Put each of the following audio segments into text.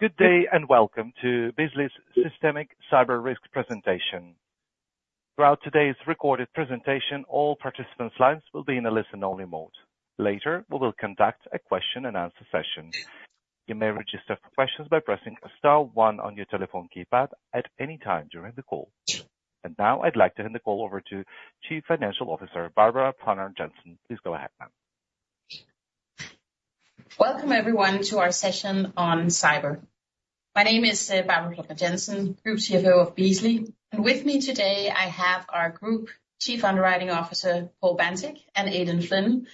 Good day, and welcome to Beazley's Systemic Cyber Risk presentation. Throughout today's recorded presentation, all participants' lines will be in a listen-only mode. Later, we will conduct a question and answer session. You may register for questions by pressing star one on your telephone keypad at any time during the call. And now I'd like to hand the call over to Chief Financial Officer, Barbara Plucnar Jensen. Please go ahead, ma'am. Welcome, everyone, to our session on cyber. My name is Barbara Plucnar Jensen, Group CFO of Beazley, and with me today, I have our Group Chief Underwriting Officer, Paul Bantick, and Aidan Flynn.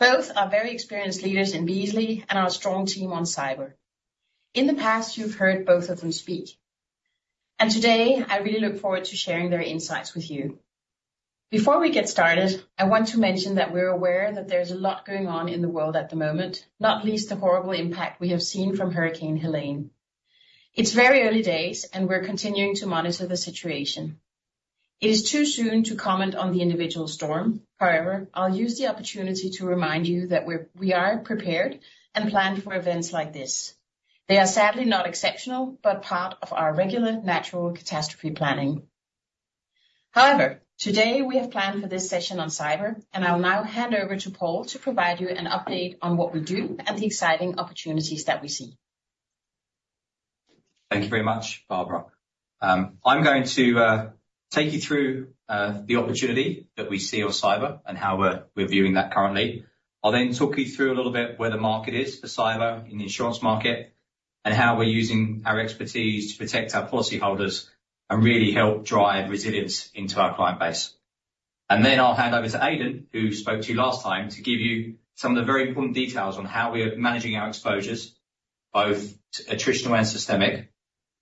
Both are very experienced leaders in Beazley and our strong team on cyber. In the past, you've heard both of them speak, and today, I really look forward to sharing their insights with you. Before we get started, I want to mention that we're aware that there's a lot going on in the world at the moment, not least the horrible impact we have seen from Hurricane Helene. It's very early days, and we're continuing to monitor the situation. It is too soon to comment on the individual storm. However, I'll use the opportunity to remind you that we're prepared and planned for events like this. They are sadly not exceptional, but part of our regular natural catastrophe planning. However, today, we have planned for this session on cyber, and I'll now hand over to Paul to provide you an update on what we do and the exciting opportunities that we see. Thank you very much, Barbara. I'm going to take you through the opportunity that we see on cyber and how we're viewing that currently. I'll then talk you through a little bit where the market is for cyber in the insurance market, and how we're using our expertise to protect our policyholders and really help drive resilience into our client base. And then I'll hand over to Aidan, who spoke to you last time, to give you some of the very important details on how we are managing our exposures, both attritional and systemic,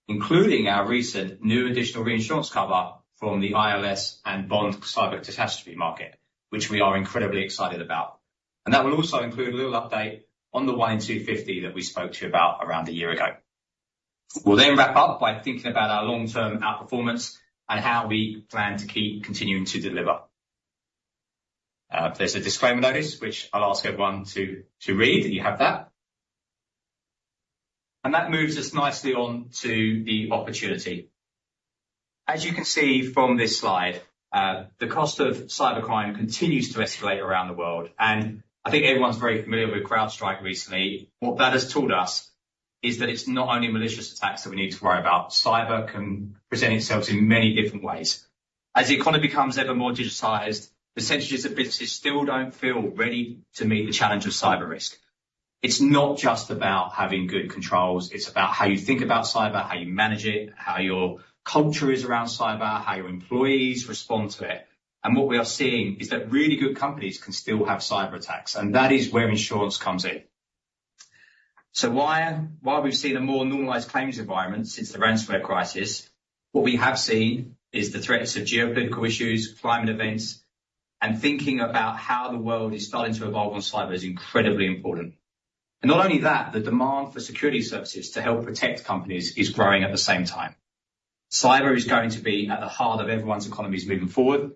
including our recent new additional reinsurance cover from the ILS and bond cyber catastrophe market, which we are incredibly excited about. And that will also include a little update on the 1-in-250 that we spoke to you about around a year ago. We'll then wrap up by thinking about our long-term outperformance and how we plan to keep continuing to deliver. There's a disclaimer notice, which I'll ask everyone to read, and you have that. And that moves us nicely on to the opportunity. As you can see from this slide, the cost of cybercrime continues to escalate around the world, and I think everyone's very familiar with CrowdStrike recently. What that has told us is that it's not only malicious attacks that we need to worry about. Cyber can present itself in many different ways. As the economy becomes ever more digitized, the percentages of businesses still don't feel ready to meet the challenge of cyber risk. It's not just about having good controls, it's about how you think about cyber, how you manage it, how your culture is around cyber, how your employees respond to it. What we are seeing is that really good companies can still have cyberattacks, and that is where insurance comes in. Why, while we've seen a more normalized claims environment since the ransomware crisis, what we have seen is the threats of geopolitical issues, climate events, and thinking about how the world is starting to evolve on cyber is incredibly important. Not only that, the demand for security services to help protect companies is growing at the same time. Cyber is going to be at the heart of everyone's economies moving forward,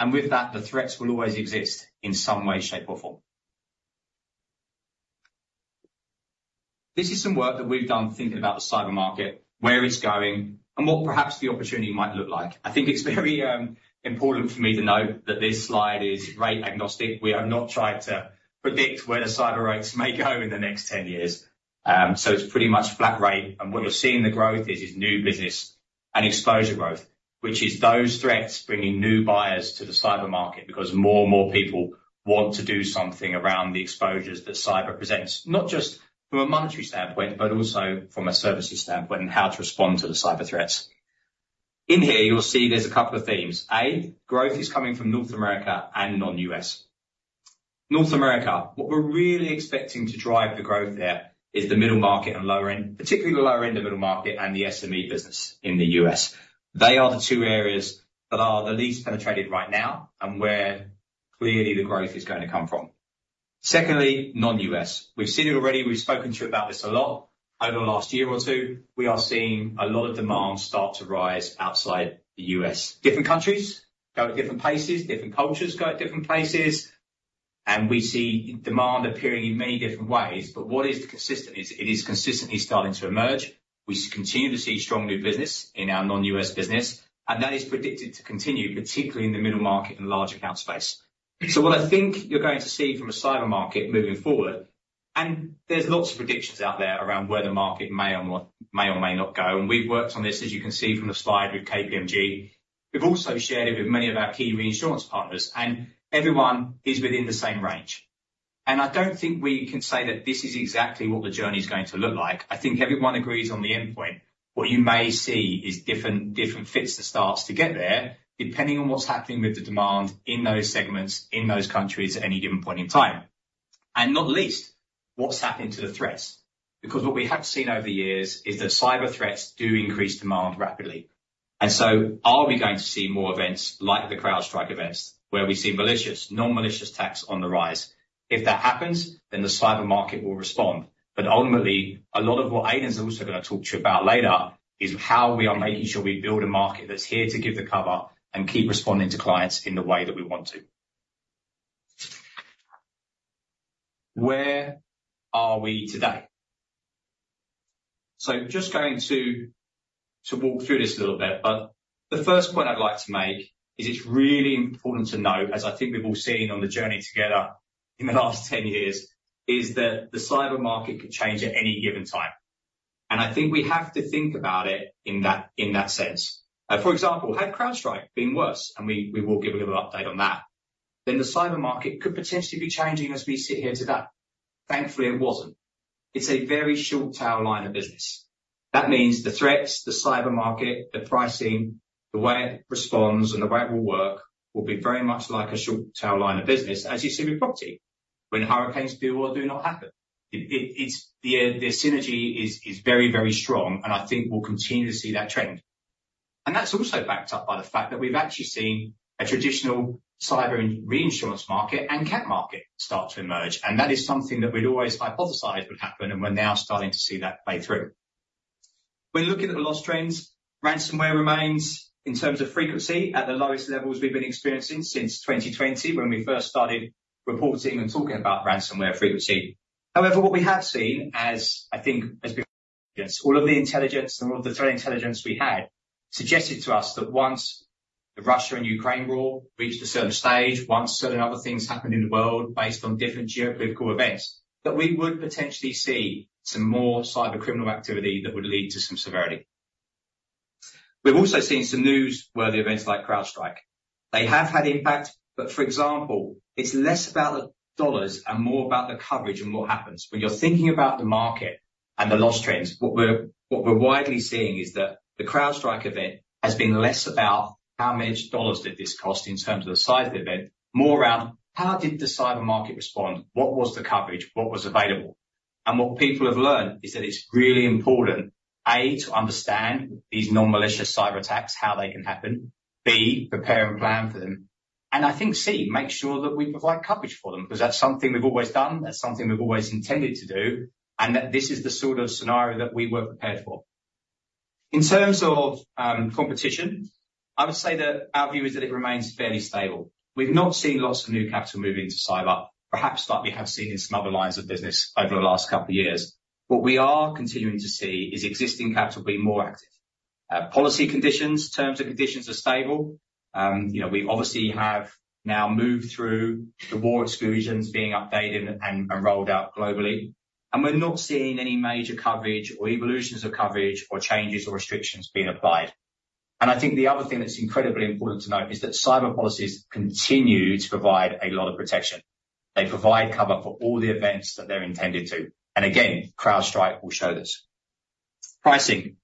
and with that, the threats will always exist in some way, shape, or form. This is some work that we've done thinking about the cyber market, where it's going, and what perhaps the opportunity might look like. I think it's very important for me to note that this slide is rate agnostic. We have not tried to predict where the cyber rates may go in the next 10 years. So it's pretty much flat rate, and where we're seeing the growth is new business and exposure growth, which is those threats bringing new buyers to the cyber market, because more and more people want to do something around the exposures that cyber presents, not just from a monetary standpoint, but also from a services standpoint, and how to respond to the cyber threats. In here, you'll see there's a couple of themes: A, growth is coming from North America and non-U.S. North America, what we're really expecting to drive the growth there is the middle market and lower end, particularly the lower end, the middle market, and the SME business in the U.S. They are the two areas that are the least penetrated right now and where clearly the growth is going to come from. Secondly, non-U.S.. We've seen it already. We've spoken to you about this a lot over the last year or two. We are seeing a lot of demand start to rise outside the U.S.. Different countries go at different paces, different cultures go at different paces, and we see demand appearing in many different ways, but what is consistent is, it is consistently starting to emerge. We continue to see strong new business in our non-U.S. business, and that is predicted to continue, particularly in the middle market and large account space. So what I think you're going to see from a cyber market moving forward, and there's lots of predictions out there around where the market may or may not go, and we've worked on this, as you can see from the slide, with KPMG. We've also shared it with many of our key reinsurance partners, and everyone is within the same range. And I don't think we can say that this is exactly what the journey is going to look like. I think everyone agrees on the endpoint. What you may see is different paths that starts to get there, depending on what's happening with the demand in those segments, in those countries at any given point in time. And not least, what's happening to the threats, because what we have seen over the years is that cyber threats do increase demand rapidly. So are we going to see more events like the CrowdStrike events, where we see malicious, non-malicious attacks on the rise? If that happens, then the cyber market will respond. But ultimately, a lot of what Aidan's also going to talk to you about later is how we are making sure we build a market that's here to give the cover and keep responding to clients in the way that we want to. Where are we today? So just going to walk through this a little bit, but the first point I'd like to make is it's really important to note, as I think we've all seen on the journey together in the last 10 years, is that the cyber market could change at any given time, and I think we have to think about it in that sense. For example, had CrowdStrike been worse, and we will give a little update on that, then the cyber market could potentially be changing as we sit here today. Thankfully, it wasn't. It's a very short tail line of business. That means the threats, the cyber market, the pricing, the way it responds, and the way it will work will be very much like a short tail line of business, as you see with property when hurricanes do or do not happen. It's the synergy is very, very strong, and I think we'll continue to see that trend. And that's also backed up by the fact that we've actually seen a traditional cyber and reinsurance market and CAT market start to emerge, and that is something that we'd always hypothesized would happen, and we're now starting to see that play through. When looking at the loss trends, ransomware remains, in terms of frequency, at the lowest levels we've been experiencing since 2020, when we first started reporting and talking about ransomware frequency. However, what we have seen, I think, as all of the intelligence and all of the threat intelligence we had suggested to us that once the Russia and Ukraine war reached a certain stage, once certain other things happened in the world based on different geopolitical events, that we would potentially see some more cyber criminal activity that would lead to some severity. We've also seen some newsworthy events like CrowdStrike. They have had impact, but, for example, it's less about the dollars and more about the coverage and what happens. When you're thinking about the market and the loss trends, what we're widely seeing is that the CrowdStrike event has been less about how much dollars did this cost in terms of the size of the event, more around how did the cyber market respond? What was the coverage? What was available? And what people have learned is that it's really important, A, to understand these non-malicious cyberattacks, how they can happen, B, prepare and plan for them, and I think, C, make sure that we provide coverage for them, because that's something we've always done, that's something we've always intended to do, and that this is the sort of scenario that we were prepared for. In terms of competition, I would say that our view is that it remains fairly stable. We've not seen lots of new capital move into cyber, perhaps like we have seen in some other lines of business over the last couple of years. What we are continuing to see is existing capital being more active. Policy conditions, terms and conditions are stable. We obviously have now moved through the war exclusions being updated and rolled out globally, and we're not seeing any major coverage or evolutions of coverage or changes or restrictions being applied. And I think the other thing that's incredibly important to note is that cyber policies continue to provide a lot of protection. They provide cover for all the events that they're intended to, and again, CrowdStrike will show this. Pricing.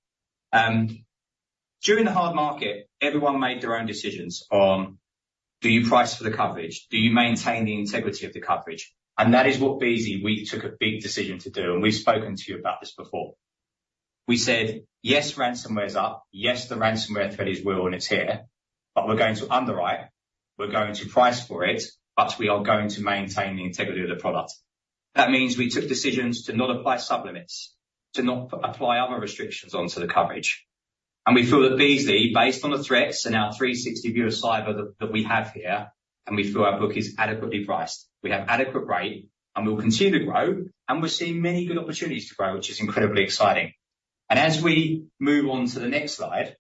During the hard market, everyone made their own decisions on do you price for the coverage? Do you maintain the integrity of the coverage? And that is what Beazley, we took a big decision to do, and we've spoken to you about this before. We said, "Yes, ransomware is up. Yes, the ransomware threat is real, and it's here, but we're going to underwrite, we're going to price for it, but we are going to maintain the integrity of the product." That means we took decisions to not apply sub-limits, to not apply other restrictions onto the coverage. And we feel at Beazley, based on the threats and our 360 view of cyber that we have here, and we feel our book is adequately priced. We have adequate rate, and we'll continue to grow, and we're seeing many good opportunities to grow, which is incredibly exciting. And as we move on to the next slide,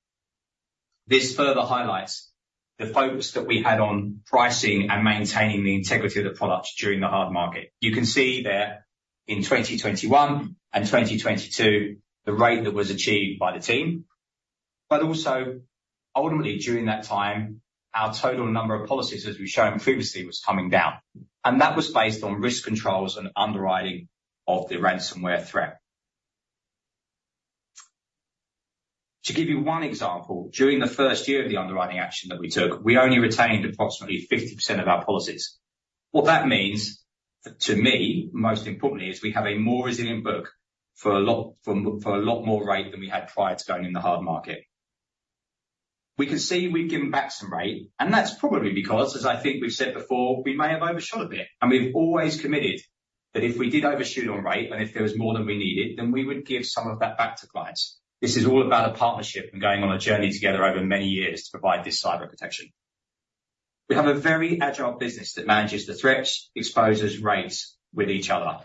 this further highlights the focus that we had on pricing and maintaining the integrity of the products during the hard market. You can see that in 2021 and 2022, the rate that was achieved by the team, but also, ultimately, during that time, our total number of policies, as we've shown previously, was coming down, and that was based on risk controls and underwriting of the ransomware threat. To give you one example, during the first year of the underwriting action that we took, we only retained approximately 50% of our policies. What that means, to me, most importantly, is we have a more resilient book for a lot more rate than we had prior to going in the hard market. We can see we've given back some rate, and that's probably because, as I think we've said before, we may have overshot a bit, and we've always committed that if we did overshoot on rate, and if there was more than we needed, then we would give some of that back to clients. This is all about a partnership and going on a journey together over many years to provide this cyber protection. We have a very agile business that manages the threats, exposures, rates with each other,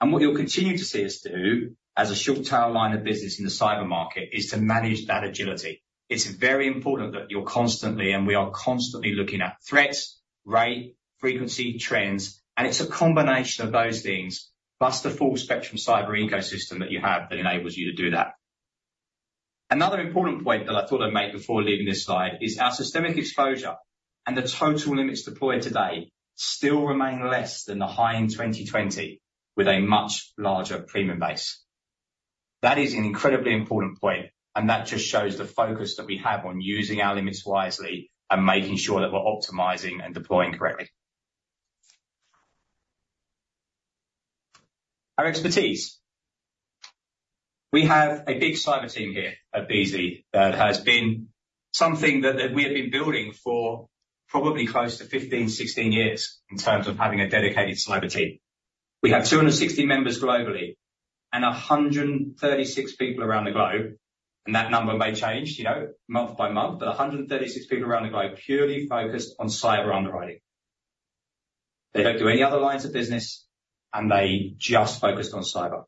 and what you'll continue to see us do, as a short tail line of business in the cyber market, is to manage that agility. It's very important that you're constantly, and we are constantly looking at threats, rate, frequency, trends, and it's a combination of those things, plus the Full Spectrum Cyber ecosystem that you have, that enables you to do that. Another important point that I thought I'd make before leaving this slide is our systemic exposure and the total limits deployed today still remain less than the high in 2020, with a much larger premium base. That is an incredibly important point, and that just shows the focus that we have on using our limits wisely and making sure that we're optimizing and deploying correctly. Our expertise. We have a big cyber team here at Beazley that has been something that we have been building for probably close to 15-16 years in terms of having a dedicated cyber team. We have 260 members globally and 136 people around the globe, and that number may change month by month, but 136 people around the globe purely focused on cyber underwriting. They don't do any other lines of business, and they just focus on cyber.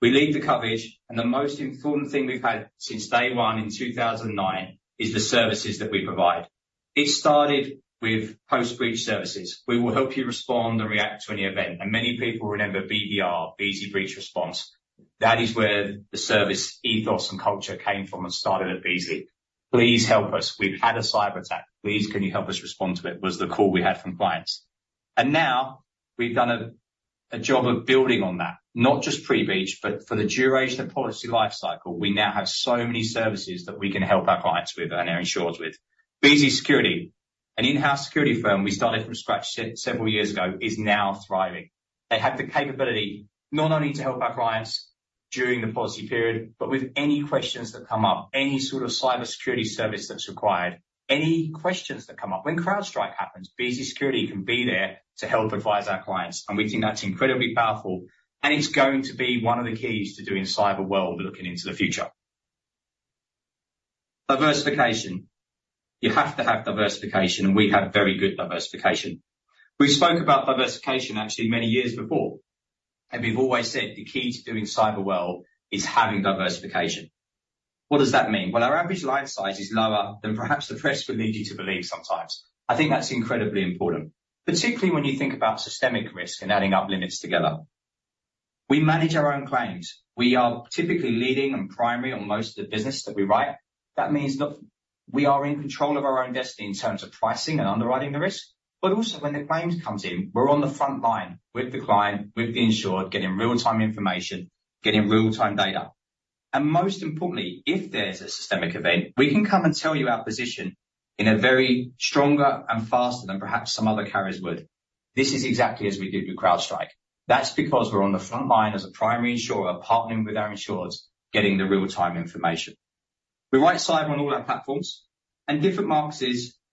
We lead the coverage, and the most important thing we've had since day one in 2009 is the services that we provide. It started with post-breach services. We will help you respond and react to any event, and many people remember BBR, Beazley Breach Response. That is where the service ethos and culture came from and started at Beazley. "Please help us. We've had a cyber attack. Please, can you help us respond to it?" That was the call we had from clients. And now we've done a job of building on that, not just pre-breach, but for the duration of policy life cycle, we now have so many services that we can help our clients with and our insurers with. Beazley Security, an in-house security firm we started from scratch several years ago, is now thriving. They have the capability not only to help our clients during the policy period, but with any questions that come up, any sort of cybersecurity service that's required, any questions that come up. When CrowdStrike happens, Beazley Security can be there to help advise our clients, and we think that's incredibly powerful, and it's going to be one of the keys to doing cyber well, looking into the future. Diversification. You have to have diversification, and we have very good diversification. We've spoken about diversification actually many years before, and we've always said the key to doing cyber well is having diversification. What does that mean? Well, our average line size is lower than perhaps the press would lead you to believe sometimes. I think that's incredibly important, particularly when you think about systemic risk and adding up limits together. We manage our own claims. We are typically leading and primary on most of the business that we write. That means that we are in control of our own destiny in terms of pricing and underwriting the risk, but also, when the claims comes in, we're on the front line with the client, with the insurer, getting real-time information, getting real-time data, and most importantly, if there's a systemic event, we can come and tell you our position in a very stronger and faster than perhaps some other carriers would. This is exactly as we did with CrowdStrike. That's because we're on the front line as a primary insurer, partnering with our insurers, getting the real-time information. We write cyber on all our platforms and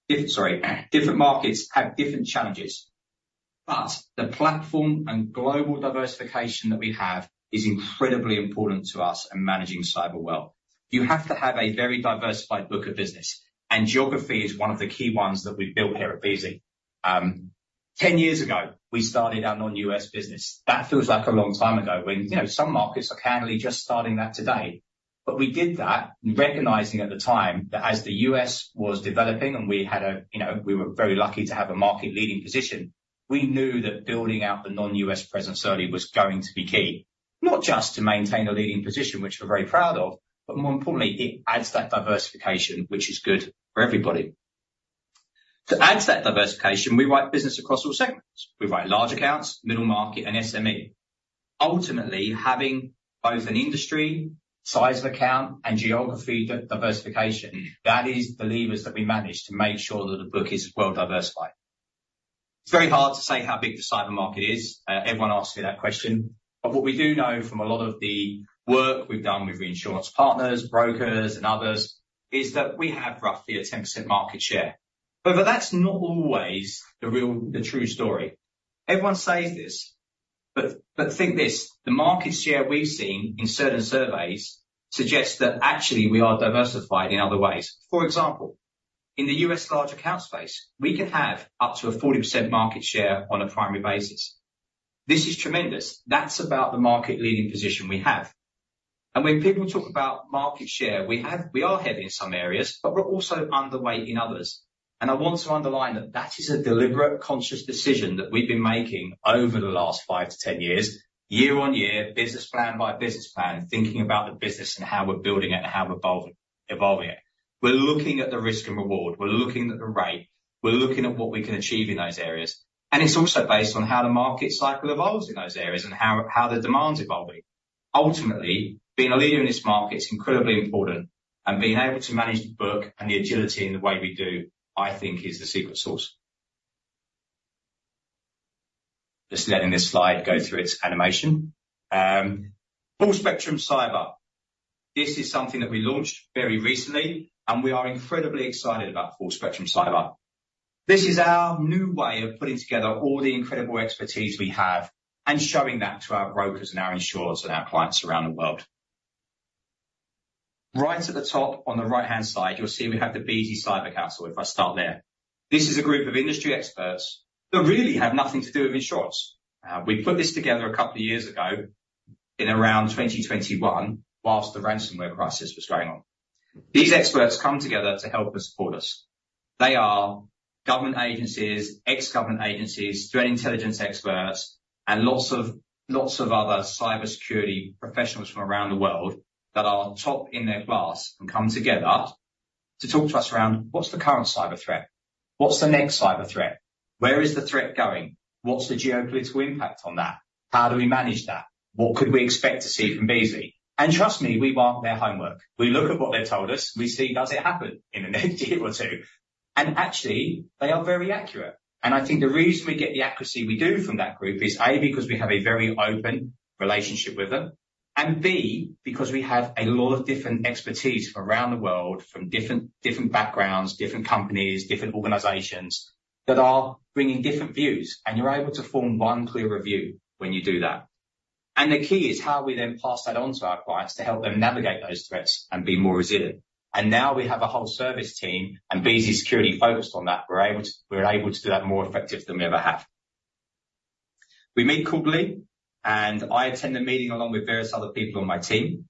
different markets have different challenges, but the platform and global diversification that we have is incredibly important to us in managing cyber well. You have to have a very diversified book of business, and geography is one of the key ones that we've built here at Beazley. 10 years ago, we started our non-U.S. business. That feels like a long time ago when some markets are currently just starting that today. But we did that recognizing at the time that as the U.S. was developing, and we were very lucky to have a market-leading position, we knew that building out the non-U.S. presence early was going to be key, not just to maintain a leading position, which we're very proud of, but more importantly, it adds that diversification, which is good for everybody. To add to that diversification, we write business across all segments. We write large accounts, middle market, and SME. Ultimately, having both an industry, size of account, and geography diversification, that is the levers that we manage to make sure that the book is well diversified. It's very hard to say how big the cyber market is. Everyone asks me that question, but what we do know from a lot of the work we've done with reinsurance partners, brokers, and others, is that we have roughly a 10% market share. However, that's not always the real, the true story. Everyone says this, but think this, the market share we've seen in certain surveys suggests that actually we are diversified in other ways. For example, in the U.S. large account space, we can have up to a 40% market share on a primary basis. This is tremendous. That's about the market-leading position we have. And when people talk about market share, we have, we are heavy in some areas, but we're also underweight in others. And I want to underline that that is a deliberate, conscious decision that we've been making over the last five to 10 years, year on year, business plan by business plan, thinking about the business and how we're building it and how we're evolving, evolving it. We're looking at the risk and reward. We're looking at the rate. We're looking at what we can achieve in those areas, and it's also based on how the market cycle evolves in those areas and how the demand's evolving. Ultimately, being a leader in this market is incredibly important, and being able to manage the book and the agility in the way we do, I think, is the secret sauce. Just letting this slide go through its animation. Full Spectrum Cyber, this is something that we launched very recently, and we are incredibly excited about Full Spectrum Cyber. This is our new way of putting together all the incredible expertise we have and showing that to our brokers and our insurers and our clients around the world. Right at the top, on the right-hand side, you'll see we have the Beazley Cyber Council, if I start there. This is a group of industry experts that really have nothing to do with insurance. We put this together a couple of years ago, in around 2021, whilst the ransomware crisis was going on. These experts come together to help and support us. They are government agencies, ex-government agencies, threat intelligence experts, and lots of, lots of other cybersecurity professionals from around the world that are top in their class and come together to talk to us around: What's the current cyber threat? What's the next cyber threat? Where is the threat going? What's the geopolitical impact on that? How do we manage that? What could we expect to see from Beazley? And trust me, we mark their homework. We look at what they've told us. We see, does it happen in the next year or two? And actually, they are very accurate. And I think the reason we get the accuracy we do from that group is, A, because we have a very open relationship with them. And B, because we have a lot of different expertise from around the world, from different backgrounds, different companies, different organizations, that are bringing different views, and you're able to form one clearer view when you do that. And the key is how we then pass that on to our clients to help them navigate those threats and be more resilient. And now we have a whole service team, and Beazley Security focused on that, we're able to do that more effective than we ever have. We meet quarterly, and I attend the meeting along with various other people on my team,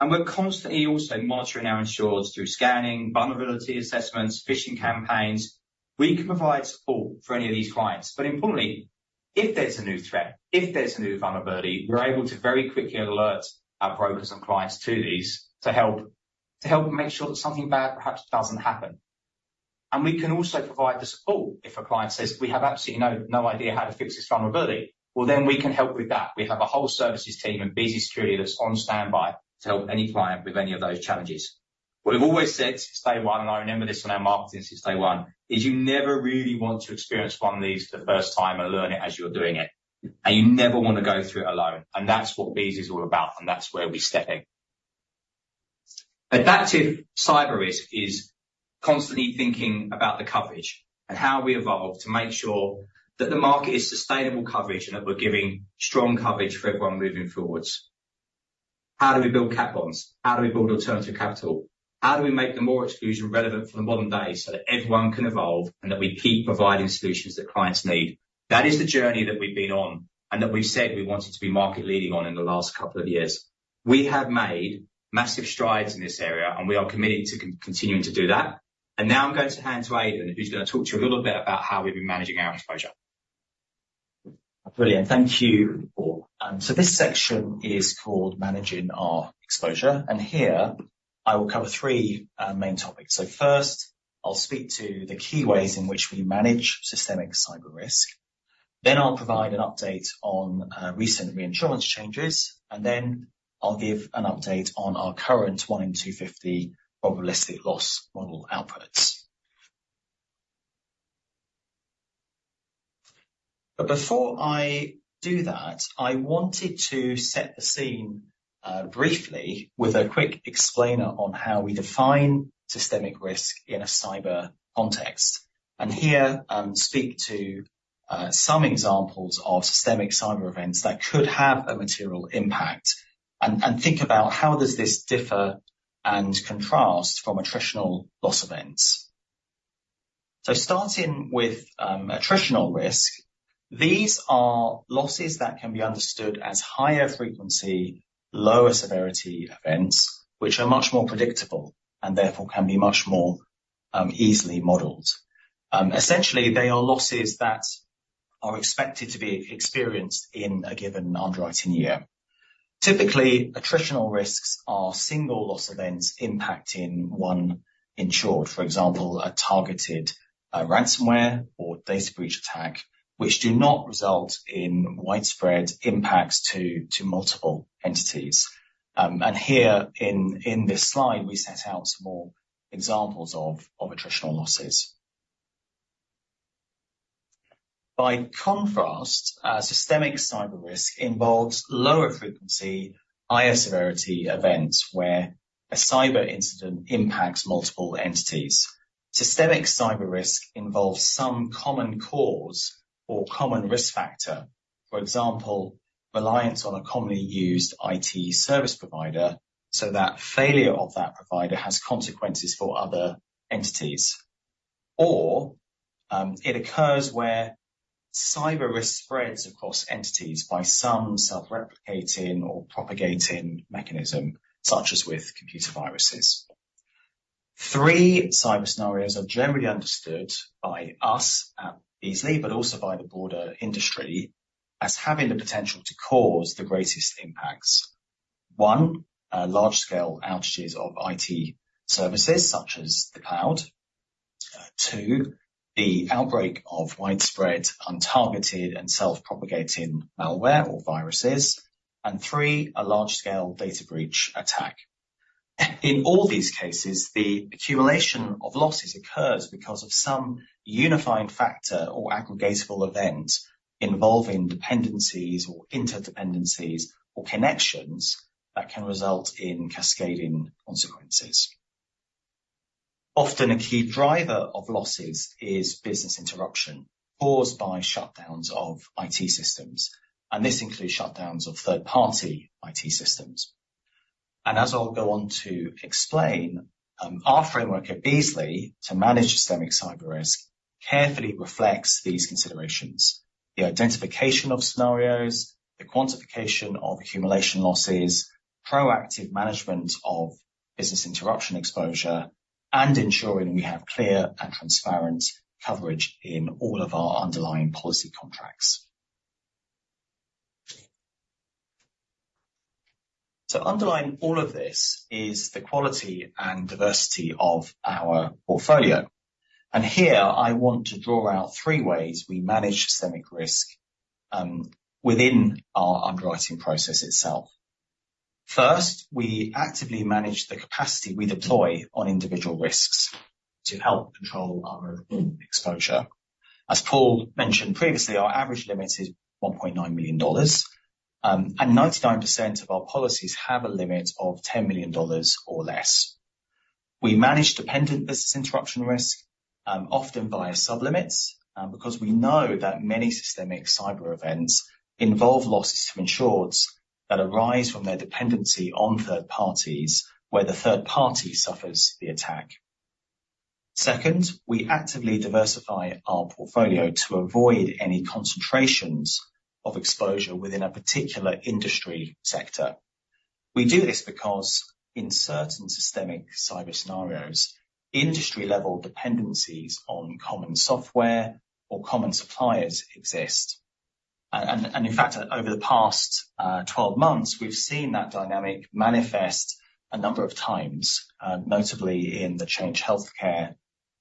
and we're constantly also monitoring our insureds through scanning, vulnerability assessments, phishing campaigns. We can provide support for any of these clients, but importantly, if there's a new threat, if there's a new vulnerability, we're able to very quickly alert our brokers and clients to these to help, to help make sure that something bad perhaps doesn't happen. And we can also provide the support if a client says, "We have absolutely no, no idea how to fix this vulnerability," well, then we can help with that. We have a whole services team and Beazley Security that's on standby to help any client with any of those challenges. What we've always said since day one, and I remember this on our marketing since day one, is you never really want to experience one of these the first time and learn it as you're doing it, and you never want to go through it alone. And that's what Beazley's all about, and that's where we step in. Adaptive Cyber Risk is constantly thinking about the coverage and how we evolve to make sure that the market is sustainable coverage, and that we're giving strong coverage for everyone moving forward. How do we build cat bonds? How do we build alternative capital? How do we make the war exclusion relevant for the modern day, so that everyone can evolve, and that we keep providing solutions that clients need? That is the journey that we've been on, and that we've said we wanted to be market leading on in the last couple of years. We have made massive strides in this area, and we are committed to continuing to do that. And now I'm going to hand to Aidan, who's going to talk to you a little bit about how we've been managing our exposure. Brilliant. Thank you, Paul. So this section is called Managing Our Exposure, and here I will cover three main topics. So first, I'll speak to the key ways in which we manage systemic cyber risk. Then I'll provide an update on recent reinsurance changes, and then I'll give an update on our current 1-in-250 probabilistic loss model outputs. But before I do that, I wanted to set the scene briefly with a quick explainer on how we define systemic risk in a cyber context, and here, speak to some examples of systemic cyber events that could have a material impact, and think about how does this differ and contrast from attritional loss events. So starting with attritional risk, these are losses that can be understood as higher frequency, lower severity events, which are much more predictable, and therefore can be much more easily modeled. Essentially, they are losses that are expected to be experienced in a given underwriting year. Typically, attritional risks are single loss events impacting one insurer, for example, a targeted ransomware or data breach attack, which do not result in widespread impacts to multiple entities. And here in this slide, we set out some more examples of attritional losses. By contrast, systemic cyber risk involves lower frequency, higher severity events, where a cyber incident impacts multiple entities. Systemic cyber risk involves some common cause or common risk factor. For example, reliance on a commonly used IT service provider, so that failure of that provider has consequences for other entities. Or, it occurs where cyber risk spreads across entities by some self-replicating or propagating mechanism, such as with computer viruses. Three cyber scenarios are generally understood by us at Beazley, but also by the broader industry, as having the potential to cause the greatest impacts. One, a large scale outages of IT services, such as the cloud. Two, the outbreak of widespread, untargeted, and self-propagating malware or viruses, and three, a large scale data breach attack. In all these cases, the accumulation of losses occurs because of some unifying factor or aggregatable event involving dependencies or interdependencies or connections that can result in cascading consequences. Often, a key driver of losses is business interruption caused by shutdowns of IT systems, and this includes shutdowns of third-party IT systems. And as I'll go on to explain, our framework at Beazley, to manage systemic cyber risk, carefully reflects these considerations, the identification of scenarios, the quantification of accumulation losses, proactive management of business interruption exposure, and ensuring we have clear and transparent coverage in all of our underlying policy contracts. So underlying all of this is the quality and diversity of our portfolio, and here I want to draw out three ways we manage systemic risk, within our underwriting process itself. First, we actively manage the capacity we deploy on individual risks to help control our exposure. As Paul mentioned previously, our average limit is $1.9 million, and 99% of our policies have a limit of $10 million or less. We manage dependent business interruption risk often via sub-limits because we know that many systemic cyber events involve losses to insureds that arise from their dependency on third parties, where the third party suffers the attack. Second, we actively diversify our portfolio to avoid any concentrations of exposure within a particular industry sector. We do this because in certain systemic cyber scenarios, industry-level dependencies on common software or common suppliers exist, and in fact, over the past twelve months, we've seen that dynamic manifest a number of times, notably in the Change Healthcare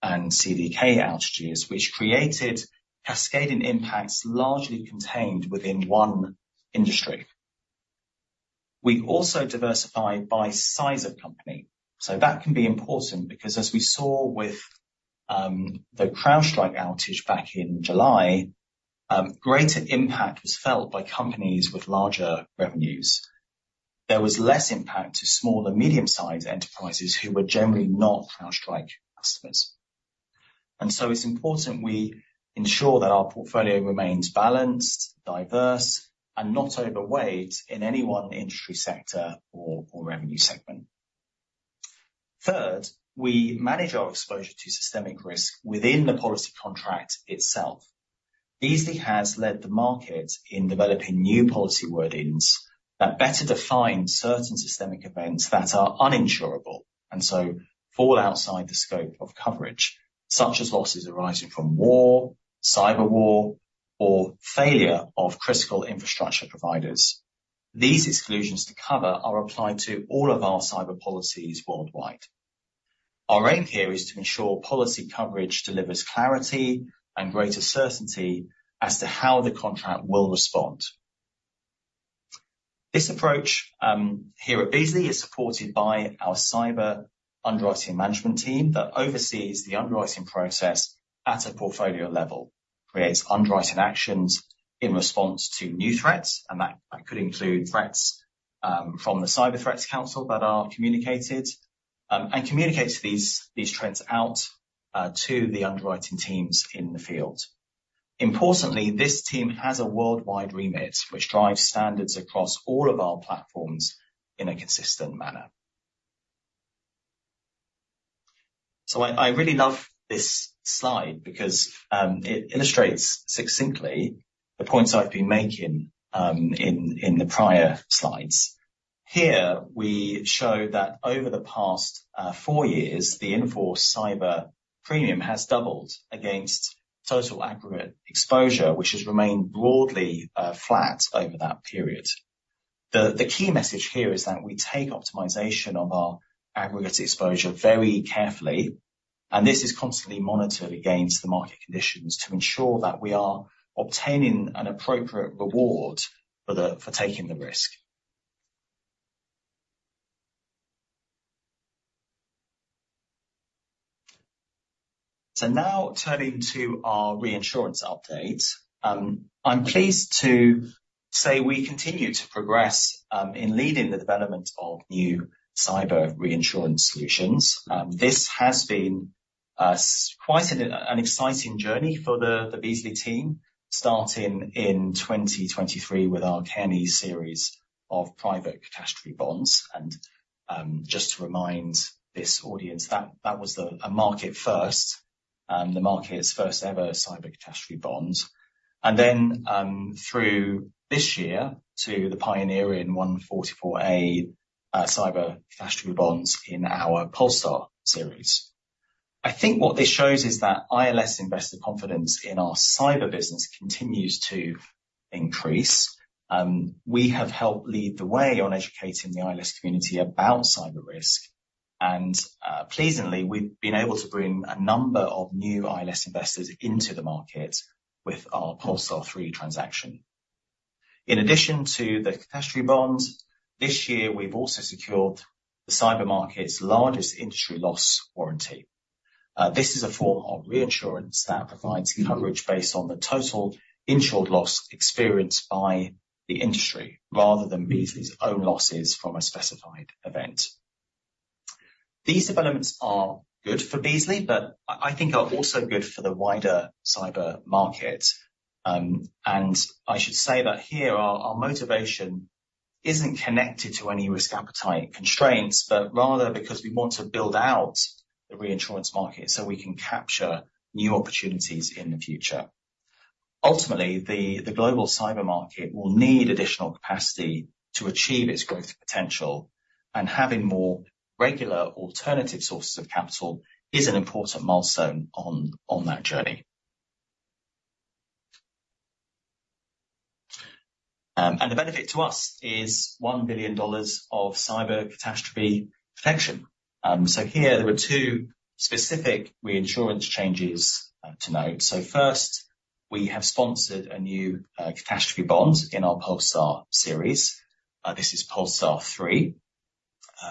and CDK outages, which created cascading impacts largely contained within one industry. We also diversify by size of company, so that can be important because as we saw with the CrowdStrike outage back in July, greater impact was felt by companies with larger revenues. There was less impact to small and medium-sized enterprises who were generally not CrowdStrike customers. And so it's important we ensure that our portfolio remains balanced, diverse, and not overweighted in any one industry sector or revenue segment. Third, we manage our exposure to systemic risk within the policy contract itself. Beazley has led the market in developing new policy wordings that better define certain systemic events that are uninsurable, and so fall outside the scope of coverage, such as losses arising from war, cyber war, or failure of critical infrastructure providers. These exclusions to cover are applied to all of our cyber policies worldwide. Our aim here is to ensure policy coverage delivers clarity and greater certainty as to how the contract will respond. This approach, here at Beazley, is supported by our cyber underwriting management team that oversees the underwriting process at a portfolio level, creates underwriting actions in response to new threats, and that could include threats from the Beazley Cyber Council that are communicated, and communicates these threats out to the underwriting teams in the field. Importantly, this team has a worldwide remit, which drives standards across all of our platforms in a consistent manner. So I really love this slide because it illustrates succinctly the points I've been making in the prior slides. Here, we show that over the past four years, the in-force cyber premium has doubled against total aggregate exposure, which has remained broadly flat over that period. The key message here is that we take optimization of our aggregate exposure very carefully, and this is constantly monitored against the market conditions to ensure that we are obtaining an appropriate reward for taking the risk. Now turning to our reinsurance update, I'm pleased to say we continue to progress in leading the development of new cyber reinsurance solutions. This has been quite an exciting journey for the Beazley team, starting in 2023 with our Cairn series of private catastrophe bonds. Just to remind this audience, that was a market first, the market's first-ever cyber catastrophe bond, and then through this year to the pioneering 144A cyber catastrophe bonds in our PoleStar series. I think what this shows is that ILS investor confidence in our cyber business continues to increase. We have helped lead the way on educating the ILS community about cyber risk, and, pleasingly, we've been able to bring a number of new ILS investors into the market with our PoleStar 3 transaction. In addition to the catastrophe bonds, this year, we've also secured the cyber market's largest industry loss warranty. This is a form of reinsurance that provides coverage based on the total insured loss experienced by the industry, rather than Beazley's own losses from a specified event. These developments are good for Beazley, but I, I think are also good for the wider cyber market. And I should say that here, our motivation isn't connected to any risk appetite constraints, but rather because we want to build out the reinsurance market so we can capture new opportunities in the future. Ultimately, the global cyber market will need additional capacity to achieve its growth potential, and having more regular alternative sources of capital is an important milestone on that journey. And the benefit to us is $1 billion of cyber catastrophe protection. So here there are two specific reinsurance changes to note. So first, we have sponsored a new catastrophe bond in our PoleStar series. This is PoleStar 3,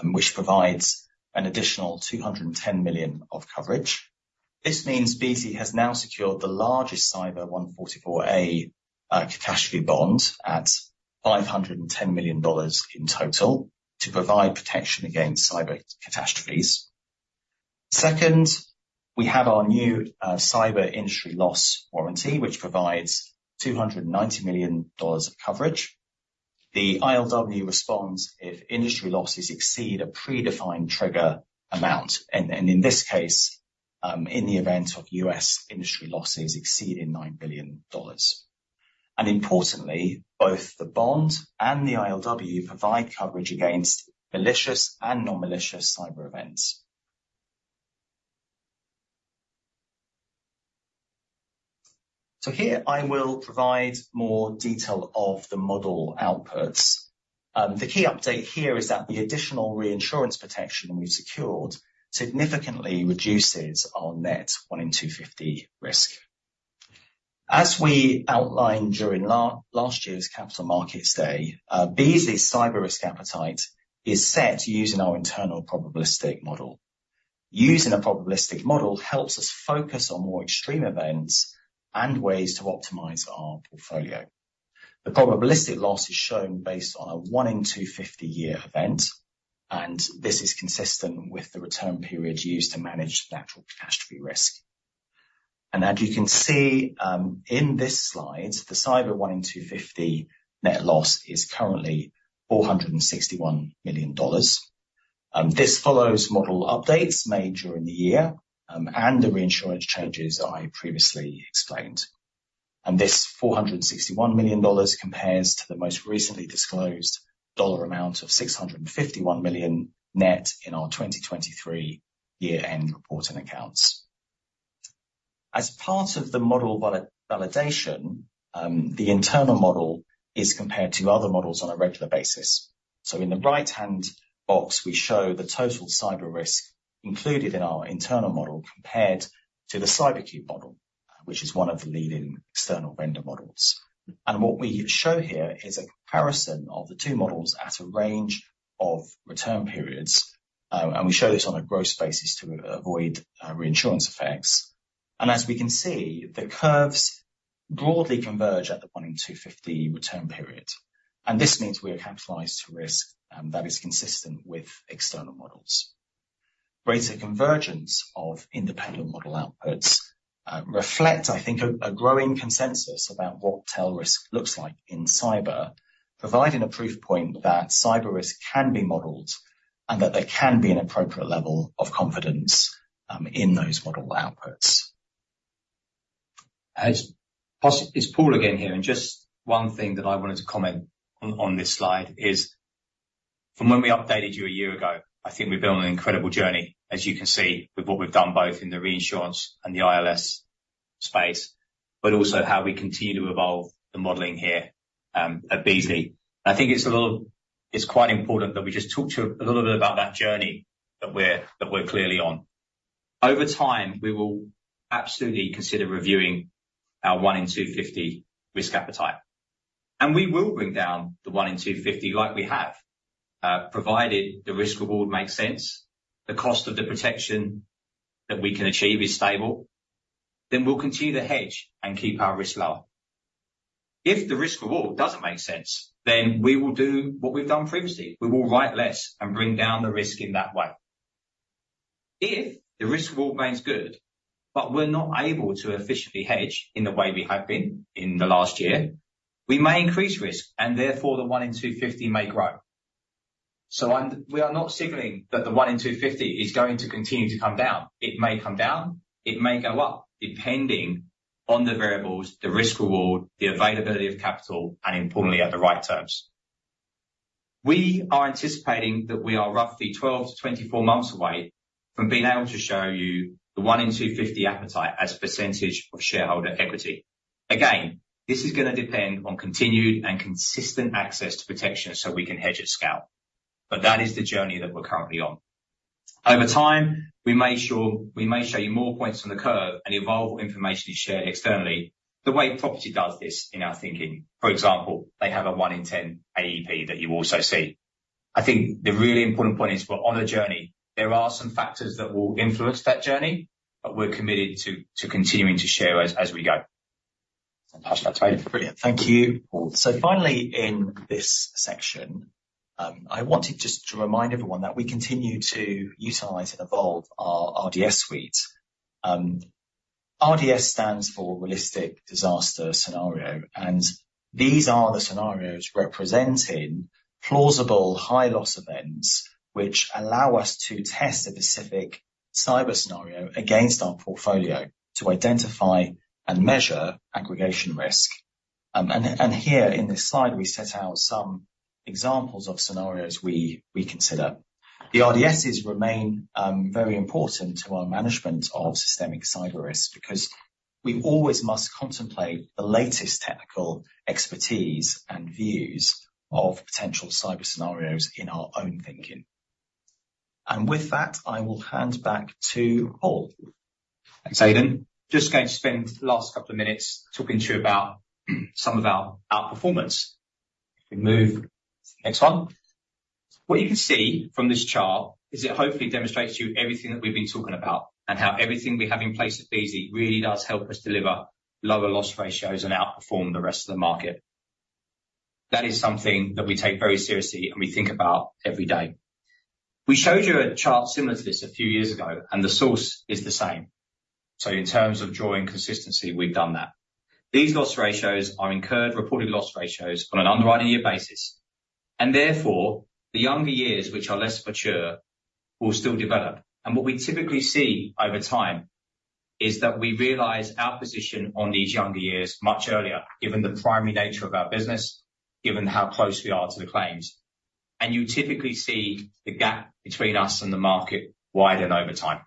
which provides an additional $210 million of coverage. This means Beazley has now secured the largest cyber 144A catastrophe bond at $510 million in total, to provide protection against cyber catastrophes. Second, we have our new cyber industry loss warranty, which provides $290 million of coverage. The ILW responds if industry losses exceed a predefined trigger amount, and in this case, in the event of U.S. industry losses exceeding $9 billion. Importantly, both the bond and the ILW provide coverage against malicious and non-malicious cyber events. Here, I will provide more detail of the model outputs. The key update here is that the additional reinsurance protection we've secured significantly reduces our net 1-in-250 risk. As we outlined during last year's capital markets day, Beazley's cyber risk appetite is set using our internal probabilistic model. Using a probabilistic model helps us focus on more extreme events, and ways to optimize our portfolio. The probabilistic loss is shown based on a 1-in-250-year event, and this is consistent with the return period used to manage natural catastrophe risk. As you can see, in this slide, the cyber 1-in-250 net loss is currently $461 million. This follows model updates made during the year, and the reinsurance changes I previously explained. This $461 million compares to the most recently disclosed dollar amount of $651 million net in our 2023 year-end report and accounts. As part of the model validation, the internal model is compared to other models on a regular basis. In the right-hand box, we show the total cyber risk included in our internal model, compared to the CyberCube model, which is one of the leading external vendor models. What we show here is a comparison of the two models at a range of return periods, and we show this on a gross basis to avoid reinsurance effects. As we can see, the curves broadly converge at the 1-in-250 return period, and this means we are capitalized to risk that is consistent with external models. Greater convergence of independent model outputs reflect, I think, a growing consensus about what tail risk looks like in cyber, providing a proof point that cyber risk can be modeled, and that there can be an appropriate level of confidence in those model outputs. It's Paul again here, and just one thing that I wanted to comment on, on this slide is, from when we updated you a year ago, I think we've been on an incredible journey, as you can see, with what we've done both in the reinsurance and the ILS space, but also how we continue to evolve the modeling here at Beazley. I think it's a little. It's quite important that we just talk to you a little bit about that journey that we're clearly on. Over time, we will absolutely consider reviewing our 1-in-250 risk appetite, and we will bring down the 1-in-250, like we have, provided the risk reward makes sense, the cost of the protection that we can achieve is stable, then we'll continue to hedge and keep our risk low. If the risk reward doesn't make sense, then we will do what we've done previously. We will write less, and bring down the risk in that way. If the risk reward remains good, but we're not able to efficiently hedge in the way we have been in the last year, we may increase risk, and therefore, the 1-in-250 may grow. So we are not signaling that the 1-in-250 is going to continue to come down. It may come down, it may go up, depending on the variables, the risk reward, the availability of capital, and importantly, at the right terms. We are anticipating that we are roughly 12-24 months away from being able to show you the 1-in-250 appetite, as a percentage of shareholder equity. Again, this is gonna depend on continued and consistent access to protection, so we can hedge at scale. But that is the journey that we're currently on. Over time, we may show you more points from the curve, and the evolved information is shared externally, the way property does this in our thinking. For example, they have a 1-in-10 AEP that you also see. I think the really important point is, we're on a journey. There are some factors that will influence that journey, but we're committed to continuing to share as we go. That's brilliant. Thank you, Paul. So finally, in this section, I wanted just to remind everyone that we continue to utilize and evolve our RDS suite. RDS stands for Realistic Disaster Scenario, and these are the scenarios representing plausible high loss events, which allow us to test a specific cyber scenario against our portfolio, to identify and measure aggregation risk. And here in this slide, we set out some examples of scenarios we consider. The RDSs remain very important to our management of systemic cyber risk, because we always must contemplate the latest technical expertise and views of potential cyber scenarios in our own thinking. And with that, I will hand back to Paul. Thanks, Aidan. Just going to spend the last couple of minutes talking to you about some of our outperformance. We move to the next one. What you can see from this chart is it hopefully demonstrates to you everything that we've been talking about, and how everything we have in place at Beazley really does help us deliver lower loss ratios and outperform the rest of the market. That is something that we take very seriously, and we think about every day. We showed you a chart similar to this a few years ago, and the source is the same. So in terms of drawing consistency, we've done that. These loss ratios are incurred reported loss ratios on an underwriting year basis, and therefore, the younger years, which are less mature, will still develop. And what we typically see over time is that we realize our position on these younger years much earlier, given the primary nature of our business, given how close we are to the claims, and you typically see the gap between us and the market widen over time.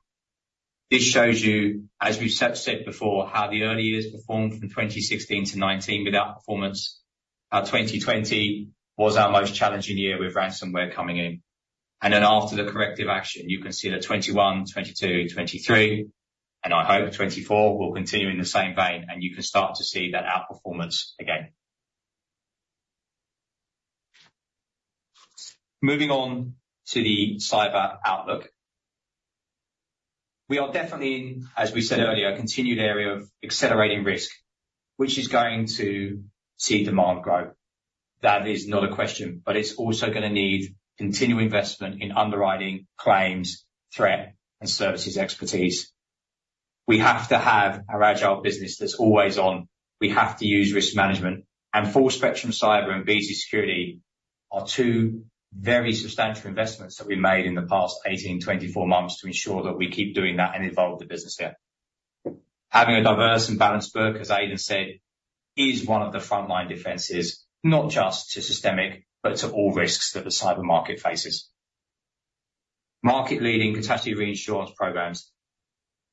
This shows you, as we've said before, how the early years performed from 2016-2019 with our performance. 2020 was our most challenging year with ransomware coming in, and then after the corrective action, you can see that 2021, 2022, 2023, and I hope 2024, will continue in the same vein, and you can start to see that outperformance again. Moving on to the cyber outlook. We are definitely in, as we said earlier, a continued area of accelerating risk, which is going to see demand growth. That is not a question, but it's also gonna need continued investment in underwriting, claims, threat, and services expertise. We have to have an agile business that's always on. We have to use risk management, and Full Spectrum Cyber and Beazley Security are two very substantial investments that we made in the past 18, 24 months to ensure that we keep doing that and evolve the business here. Having a diverse and balanced book, as Aidan said, is one of the frontline defenses, not just to systemic, but to all risks that the cyber market faces. Market-leading capacity reinsurance programs,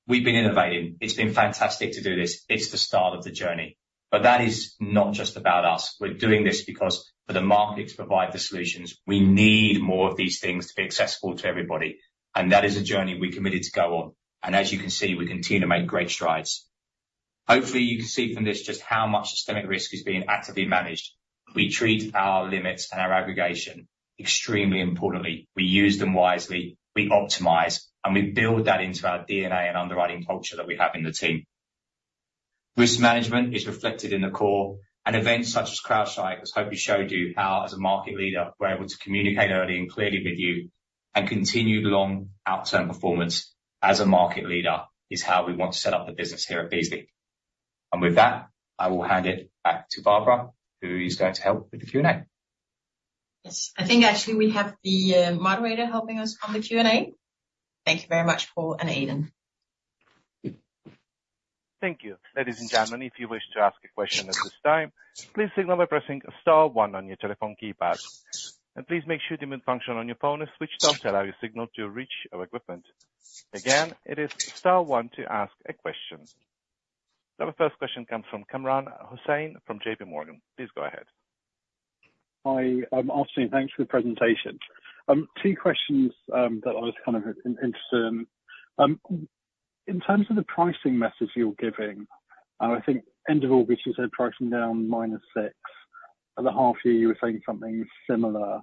we've been innovating. It's been fantastic to do this. It's the start of the journey. But that is not just about us. We're doing this because for the market to provide the solutions, we need more of these things to be accessible to everybody, and that is a journey we're committed to go on, and as you can see, we continue to make great strides. Hopefully, you can see from this just how much systemic risk is being actively managed. We treat our limits and our aggregation extremely importantly. We use them wisely, we optimize, and we build that into our DNA and underwriting culture that we have in the team. Risk management is reflected in the core, and events such as CrowdStrike has hopefully showed you how, as a market leader, we're able to communicate early and clearly with you, and continued long outturn performance as a market leader is how we want to set up the business here at Beazley. With that, I will hand it back to Barbara, who is going to help with the Q&A. Yes. I think, actually, we have the moderator helping us on the Q&A. Thank you very much, Paul and Aidan. Thank you. Ladies and gentlemen, if you wish to ask a question at this time, please signal by pressing star one on your telephone keypad, and please make sure the mute function on your phone is switched off to allow your signal to reach our equipment. Again, it is star one to ask a question. The first question comes from Kamran Hossain from J.P. Morgan. Please go ahead. Hi, team, thanks for the presentation. Two questions that I was kind of interested in. In terms of the pricing message you're giving, and I think end of August, you said pricing down -6, at the half year, you were saying something similar,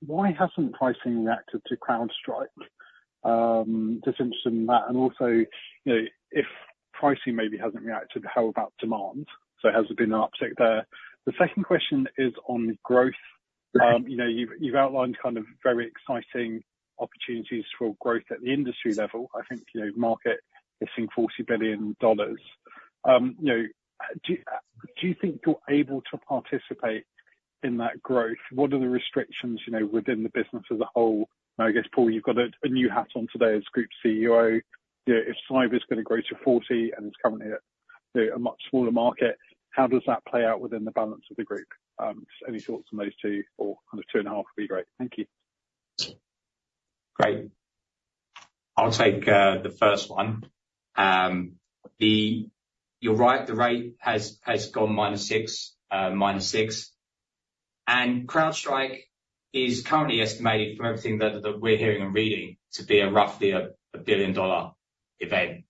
why hasn't pricing reacted to CrowdStrike? Just interested in that, and also if pricing maybe hasn't reacted, how about demand? So has there been an uptick there? The second question is on growth. You've outlined kind of very exciting opportunities for growth at the industry level. I think the market hitting $40 billion. Do you think you're able to participate in that growth? What are the restrictions within the business as a whole? And I guess, Paul, you've got a new hat on today as Group CUO. If cyber is gonna grow to $40 billion, and it's currently at a much smaller market, how does that play out within the balance of the group? So any thoughts on those two or on the two and a half would be great. Thank you. Great. I'll take the first one. You're right, the rate has gone -6, -6, and CrowdStrike is currently estimated, from everything that we're hearing and reading, to be roughly a $1 billion event.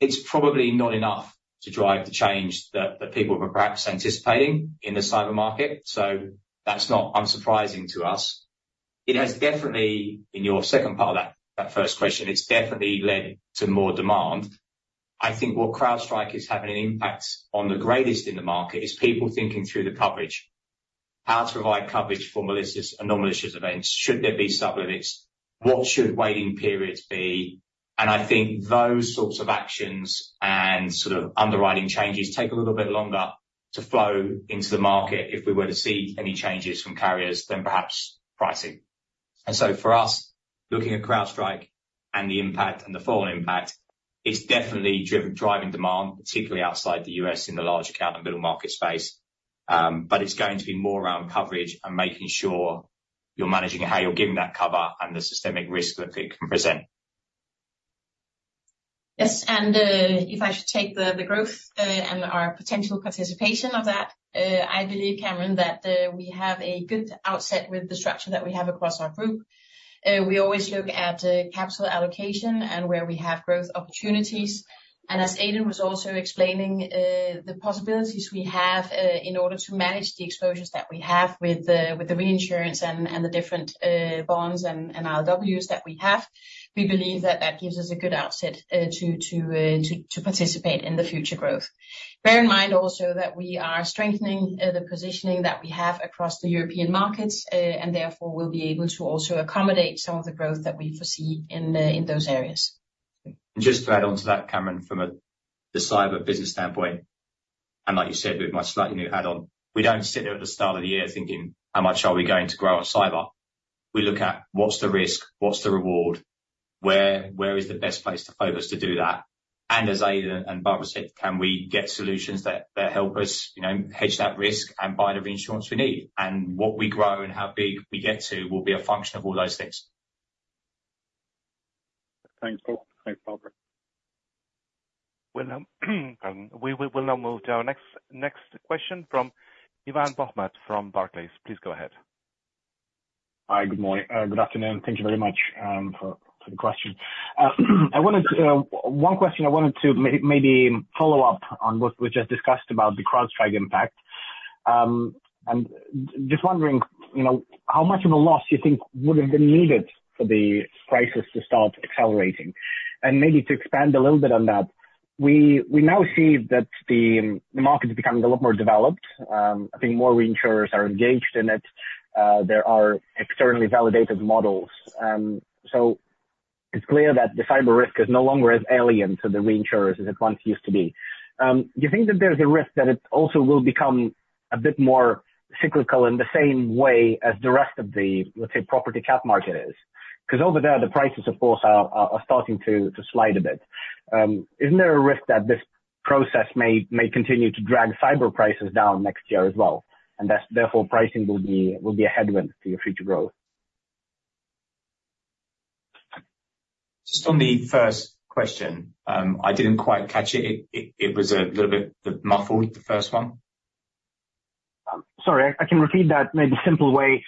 It's probably not enough to drive the change that people were perhaps anticipating in the cyber market, so that's not unsurprising to us. It has definitely, in your second part of that first question, it's definitely led to more demand. I think where CrowdStrike is having the greatest impact in the market is people thinking through the coverage. How to provide coverage for malicious and non-malicious events? Should there be sub-limits? What should waiting periods be? I think those sorts of actions and sort of underwriting changes take a little bit longer to flow into the market, if we were to see any changes from carriers, than perhaps pricing. For us, looking at CrowdStrike and the impact and the forward impact, it's definitely driving demand, particularly outside the U.S. in the large cap and middle market space, but it's going to be more around coverage and making sure you're managing how you're giving that cover and the systemic risk that it can present. Yes, and, if I should take the growth and our potential participation of that, I believe, Kamran, that we have a good outset with the structure that we have across our group. We always look at capital allocation and where we have growth opportunities. And as Aidan was also explaining, the possibilities we have in order to manage the exposures that we have with the reinsurance and the different bonds and ILWs that we have, we believe that that gives us a good outset to participate in the future growth. Bear in mind also that we are strengthening the positioning that we have across the European markets and therefore will be able to also accommodate some of the growth that we foresee in those areas. And just to add on to that, Kamran, from a the cyber business standpoint, and like you said, with my slightly new add on, we don't sit there at the start of the year thinking, "How much are we going to grow our cyber?" We look at: What's the risk? What's the reward? Where is the best place to focus to do that? And as Aidan and Barbara said, can we get solutions that help us, hedge that risk and buy the reinsurance we need? And what we grow and how big we get to will be a function of all those things. Thanks, both. Thanks, Barbara. We'll now move to our next question from Ivan Bokhmat from Barclays. Please go ahead. Hi, good morning. Good afternoon. Thank you very much for the question. One question I wanted to follow up on what we just discussed about the CrowdStrike impact, and just wondering how much of a loss do you think would have been needed for the prices to start accelerating? And maybe to expand a little bit on that, we now see that the market is becoming a lot more developed. I think more reinsurers are engaged in it. There are externally validated models. So it's clear that the cyber risk is no longer as alien to the reinsurers as it once used to be. Do you think that there's a risk that it also will become a bit more cyclical in the same way as the rest of the, let's say, property cat market is? 'Cause over there, the prices, of course, are starting to slide a bit. Isn't there a risk that this process may continue to drag cyber prices down next year as well, and that's therefore pricing will be a headwind to your future growth? Just on the first question, I didn't quite catch it. It was a little bit muffled, the first one. Sorry, I can repeat that in maybe simple way.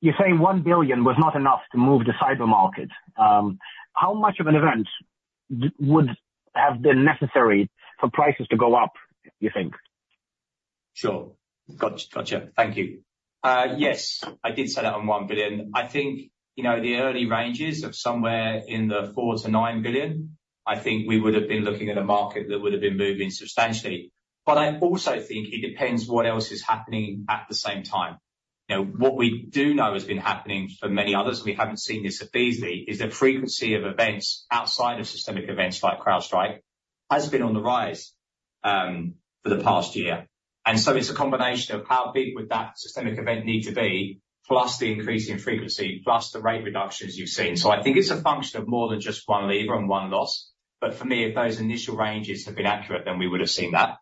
You're saying $1 billion was not enough to move the cyber market. How much of an event would have been necessary for prices to go up, you think? Sure. Got you, got you. Thank you. Yes, I did say that on $1 billion. I think the early ranges of somewhere in the $4 billion-$9 billion, I think we would have been looking at a market that would have been moving substantially. But I also think it depends what else is happening at the same time. Now, what we do know has been happening for many others, and we haven't seen this at Beazley, is the frequency of events outside of systemic events like CrowdStrike, has been on the rise, for the past year. And so it's a combination of how big would that systemic event need to be, plus the increase in frequency, plus the rate reductions you've seen. So I think it's a function of more than just one lever and one loss, but for me, if those initial ranges had been accurate, then we would have seen that.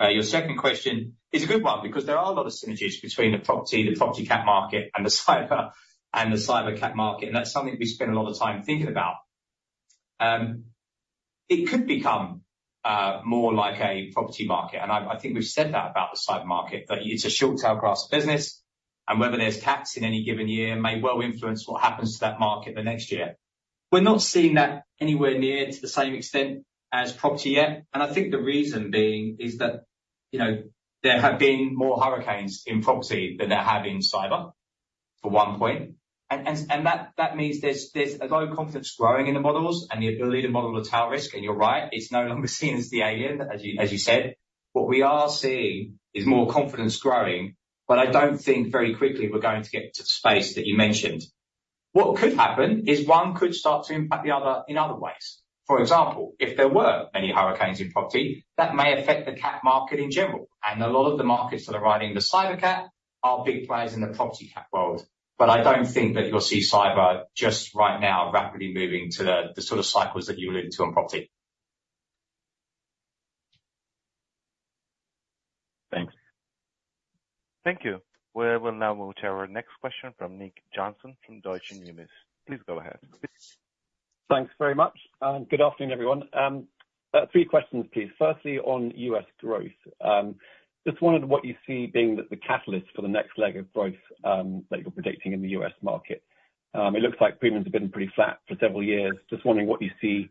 Your second question is a good one because there are a lot of synergies between the property cat market and the cyber cat market, and that's something we spend a lot of time thinking about. It could become more like a property market, and I think we've said that about the cyber market, that it's a short tail gross business, and whether there's cats in any given year may well influence what happens to that market the next year. We're not seeing that anywhere near to the same extent as property yet, and I think the reason being is that there have been more hurricanes in property than there have been in cyber, for one point. And that means there's a low confidence growing in the models and the ability to model the tail risk, and you're right, it's no longer seen as the alien, as you said. What we are seeing is more confidence growing, but I don't think very quickly we're going to get to the space that you mentioned. What could happen is one could start to impact the other in other ways. For example, if there were many hurricanes in property, that may affect the cat market in general, and a lot of the markets that are riding the cyber cat are big players in the property cat world. But I don't think that you'll see cyber, just right now, rapidly moving to the sort of cycles that you allude to on property. Thanks. Thank you. We will now move to our next question from Nick Johnson from Deutsche Numis. Please go ahead. Thanks very much, and good afternoon, everyone. Three questions, please. Firstly, on U.S. growth, just wondering what you see being the catalyst for the next leg of growth that you're predicting in the U.S. market. It looks like premiums have been pretty flat for several years. Just wondering what you see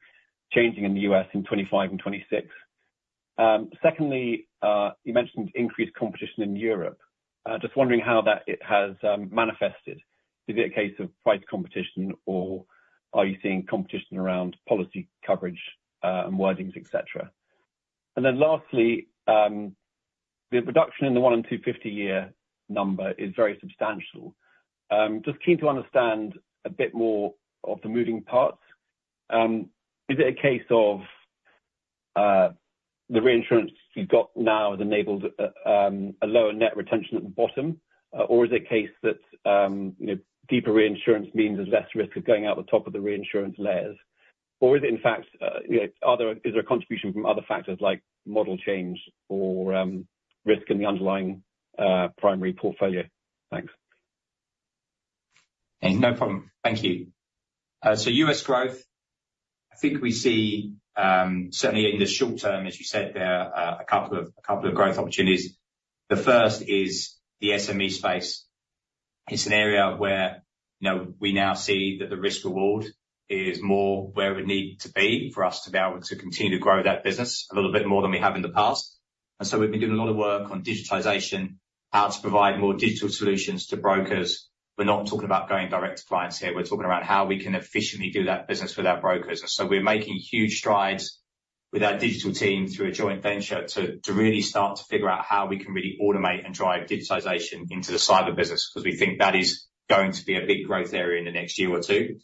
changing in the U.S. in 2025 and 2026. Secondly, you mentioned increased competition in Europe. Just wondering how that has manifested. Is it a case of price competition, or are you seeing competition around policy coverage and wordings, et cetera? And then lastly, the reduction in the 1-in-250 year number is very substantial. Just keen to understand a bit more of the moving parts. Is it a case of the reinsurance you've got now has enabled a lower net retention at the bottom? Or is it a case that deeper reinsurance means there's less risk of going out the top of the reinsurance layers? Or is there a contribution from other factors like model change or risk in the underlying primary portfolio? Thanks. Hey, no problem. Thank you, so U.S. growth, I think we see certainly in the short term, as you said, there are a couple of growth opportunities. The first is the SME space. It's an area where we now see that the risk/reward is more where it would need to be for us to be able to continue to grow that business a little bit more than we have in the past. And so we've been doing a lot of work on digitization, how to provide more digital solutions to brokers. We're not talking about going direct to clients here. We're talking about how we can efficiently do that business with our brokers. And so we're making huge strides with our digital team, through a joint venture, to really start to figure out how we can really automate and drive digitization into the cyber business, 'cause we think that is going to be a big growth area in the next year or two.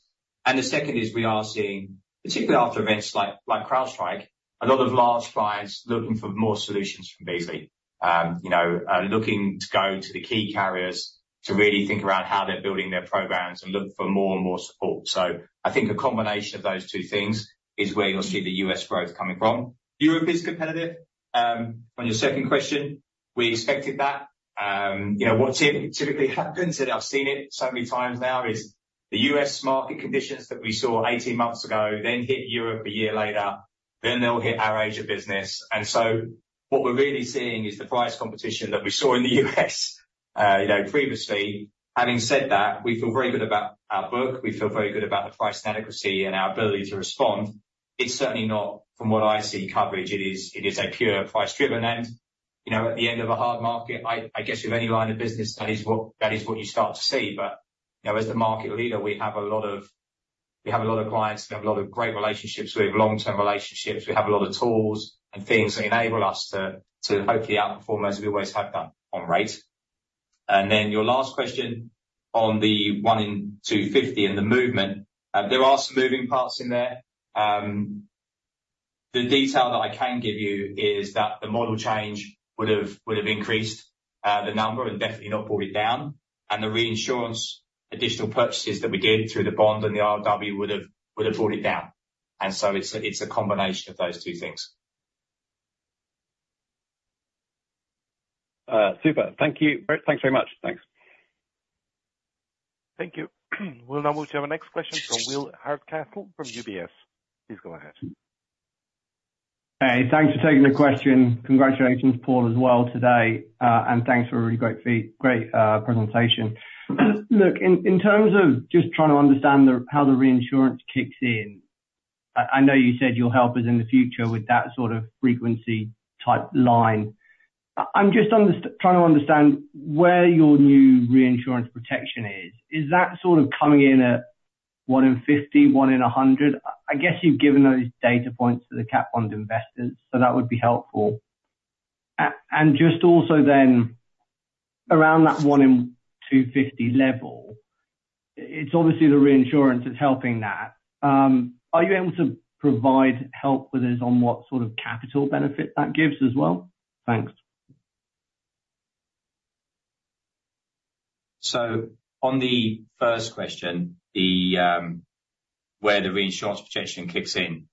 And the second is, we are seeing, particularly after events like CrowdStrike, a lot of large clients looking for more solutions from Beazley. Looking to go to the key carriers, to really think about how they're building their programs and look for more and more support. So I think a combination of those two things is where you'll see the U.S. growth coming from. Europe is competitive. On your second question, we expected that. What typically happens, and I've seen it so many times now, is the U.S. market conditions that we saw 18 months ago then hit Europe a year later, then they'll hit our Asia business. So what we're really seeing is the price competition that we saw in the U.S. previously. Having said that, we feel very good about our book. We feel very good about the price adequacy and our ability to respond. It's certainly not, from what I see, coverage. It is a pure price-driven end. At the end of a hard market, I guess with any line of business, that is what you start to see as the market leader, we have a lot of clients. We have a lot of great relationships. We have long-term relationships. We have a lot of tools and things that enable us to to hopefully outperform, as we always have done, on rate. And then, your last question on the 1-in-250 and the movement, there are some moving parts in there. The detail that I can give you is that the model change would've increased the number and definitely not brought it down, and the reinsurance additional purchases that we gave through the bond and the RW would've brought it down. And so it's a combination of those two things. Super. Thank you. Thanks very much. Thanks. Thank you. We'll now move to our next question from Will Hardcastle from UBS. Please go ahead. Hey, thanks for taking the question. Congratulations, Paul, as well today, and thanks for a really great presentation. Look, in terms of just trying to understand how the reinsurance kicks in, I know you said you'll help us in the future with that sort of frequency-type line. I'm just trying to understand where your new reinsurance protection is. Is that sort of coming in at 1-in-50, 1-in-100? I guess you've given those data points to the cat bond investors, so that would be helpful. And just also then, around that 1-in-250 level, it's obviously the reinsurance that's helping that. Are you able to provide help with us on what sort of capital benefit that gives as well? Thanks. On the first question, where the reinsurance protection kicks in,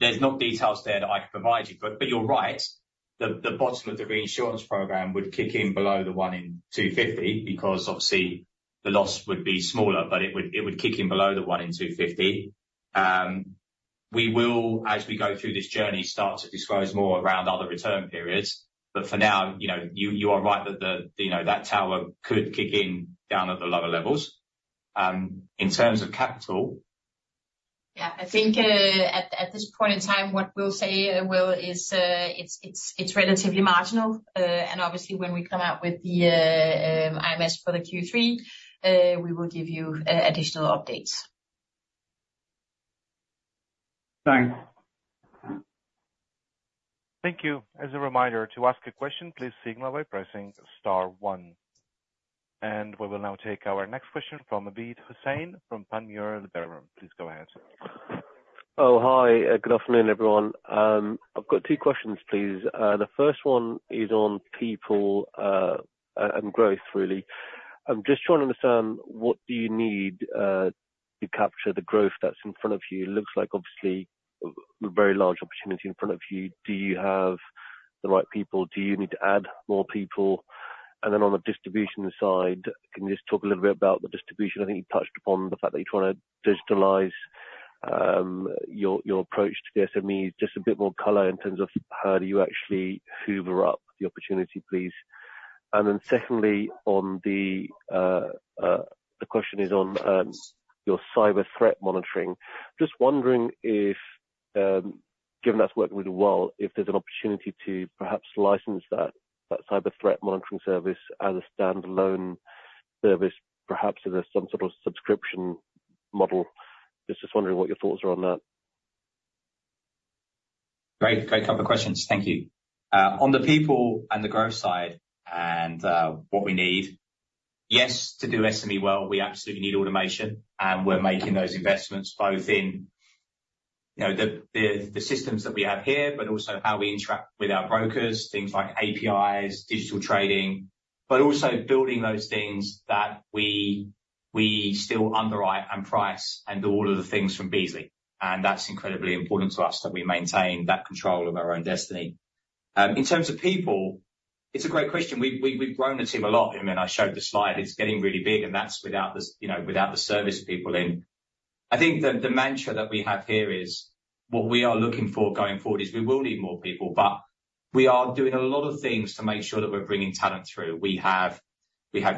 there's not details there that I can provide you, but you're right. The bottom of the reinsurance program would kick in below the 1-in-250, because obviously the loss would be smaller, but it would kick in below the 1-in-250. We will, as we go through this journey, start to disclose more around other return periods, but for now you are right that tower could kick in down at the lower levels. In terms of capital. Yeah. I think, at this point in time, what we'll say, Will, is, it's relatively marginal. And obviously, when we come out with the IMS for the Q3, we will give you additional updates. Thanks. Thank you. As a reminder, to ask a question, please signal by pressing star one. And we will now take our next question from Abid Hussain from Panmure Liberum. Please go ahead. Oh, hi, good afternoon, everyone. I've got two questions, please. The first one is on people and growth, really. I'm just trying to understand what do you need to capture the growth that's in front of you? It looks like, obviously, a very large opportunity in front of you. Do you have the right people? Do you need to add more people? And then on the distribution side, can you just talk a little bit about the distribution? I think you touched upon the fact that you're trying to digitalize your approach to the SMEs. Just a bit more color in terms of how do you actually hoover up the opportunity, please. And then secondly, the question is on your cyber threat monitoring. Just wondering if, given that's working really well, if there's an opportunity to perhaps license that cyber threat monitoring service as a standalone service, perhaps as a, some sort of subscription model. Just wondering what your thoughts are on that. Great couple of questions. Thank you. On the people and the growth side, and what we need, yes, to do SME well, we absolutely need automation, and we're making those investments both in the systems that we have here, but also how we interact with our brokers, things like APIs, digital trading, but also building those things that we still underwrite and price, and all of the things from Beazley. And that's incredibly important to us, that we maintain that control of our own destiny. In terms of people, it's a great question. We've grown the team a lot, and I showed the slide. It's getting really big, and that's without the without the service people in. I think the mantra that we have here is, what we are looking for going forward is we will need more people, but we are doing a lot of things to make sure that we're bringing talent through. We have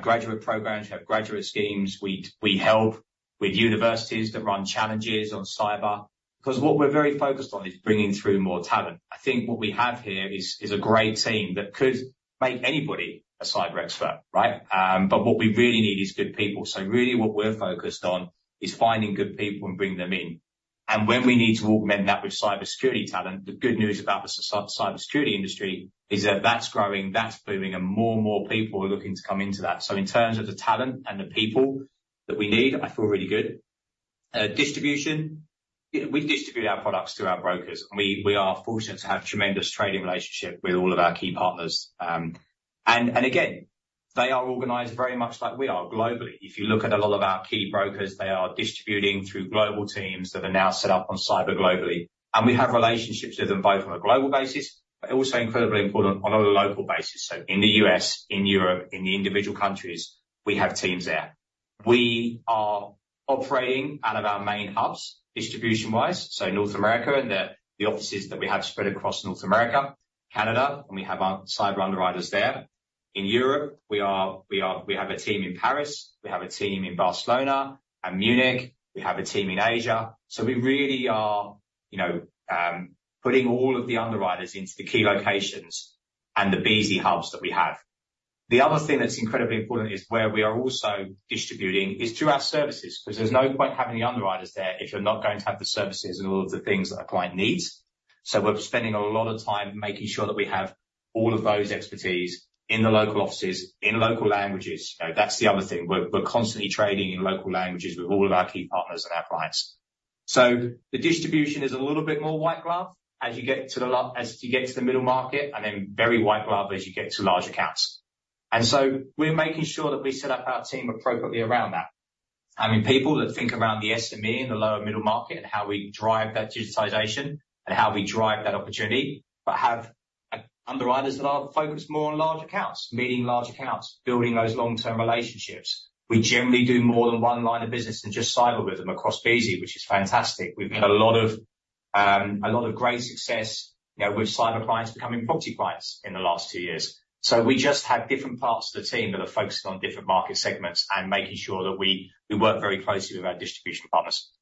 graduate programs. We have graduate schemes. We help with universities that run challenges on cyber, 'cause what we're very focused on is bringing through more talent. I think what we have here is a great team that could make anybody a cyber expert, right? But what we really need is good people. So really what we're focused on is finding good people and bringing them in. And when we need to augment that with cybersecurity talent, the good news about the cybersecurity industry is that that's growing, that's booming, and more and more people are looking to come into that. So in terms of the talent and the people that we need, I feel really good. Distribution we distribute our products through our brokers, and we are fortunate to have tremendous trading relationship with all of our key partners. And again, they are organized very much like we are globally. If you look at a lot of our key brokers, they are distributing through global teams that are now set up on cyber globally, and we have relationships with them both on a global basis, but also incredibly important, on a local basis, so in the U.S., in Europe, in the individual countries, we have teams there. We are operating out of our main hubs distribution-wise, so North America, and the offices that we have spread across North America, Canada, and we have our cyber underwriters there. In Europe, we are. We have a team in Paris. We have a team in Barcelona and Munich. We have a team in Asia. So we really are putting all of the underwriters into the key locations and the Beazley hubs that we have. The other thing that's incredibly important is where we are also distributing is through our services, 'cause there's no point having the underwriters there if you're not going to have the services and all of the things that a client needs. So we're spending a lot of time making sure that we have all of those expertise in the local offices, in local languages. That's the other thing. We're constantly training in local languages with all of our key partners and our clients. So the distribution is a little bit more white glove as you get to the middle market, and then very white glove as you get to large accounts. We're making sure that we set up our team appropriately around that. Having people that think around the SME and the lower middle market, and how we drive that digitization, and how we drive that opportunity, but have underwriters that are focused more on large accounts, meeting large accounts, building those long-term relationships. We generally do more than one line of business than just cyber with them across Beazley, which is fantastic. We've had a lot of great success with cyber clients becoming property clients in the last two years. So we just have different parts of the team that are focused on different market segments and making sure that we work very closely with our distribution partners.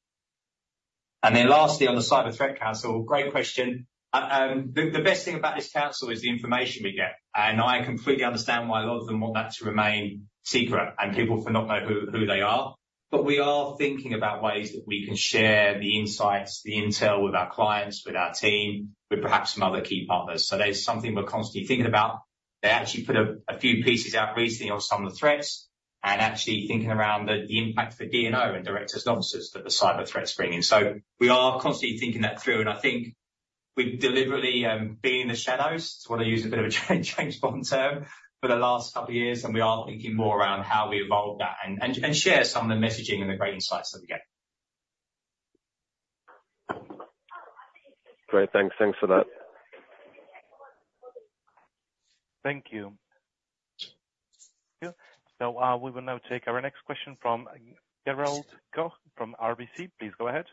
And then lastly, on the Cyber Council, great question. The best thing about this council is the information we get, and I completely understand why a lot of them want that to remain secret and people to not know who they are. But we are thinking about ways that we can share the insights, the intel with our clients, with our team, with perhaps some other key partners. So that is something we're constantly thinking about. They actually put a few pieces out recently on some of the threats and actually thinking around the impact for D&O, and directors and officers, that the cyber threats bring in. So we are constantly thinking that through, and I think we've deliberately been in the shadows, to want to use a bit of a James Bond term, for the last couple years, and we are thinking more around how we evolve that and share some of the messaging and the great insights that we get. Great, thanks. Thanks for that. Thank you. Yeah, so, we will now take our next question from Derald Goh from RBC. Please go ahead.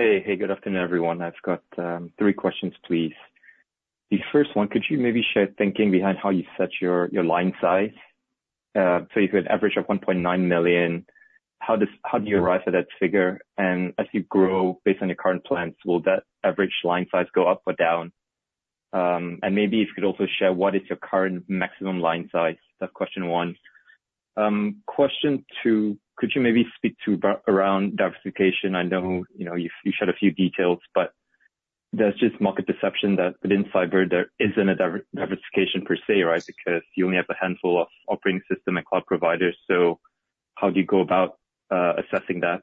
Hey. Hey, good afternoon, everyone. I've got three questions, please. The first one, could you maybe share thinking behind how you set your line size? So you've got an average of $1.9 million. How do you arrive at that figure? And as you grow, based on your current plans, will that average line size go up or down? And maybe if you could also share, what is your current maximum line size? That's question one. Question two, could you maybe speak to around diversification? I know you shared a few details, but there's just market perception that within cyber there isn't a diversification per se, right? Because you only have a handful of operating system and cloud providers. So how do you go about assessing that?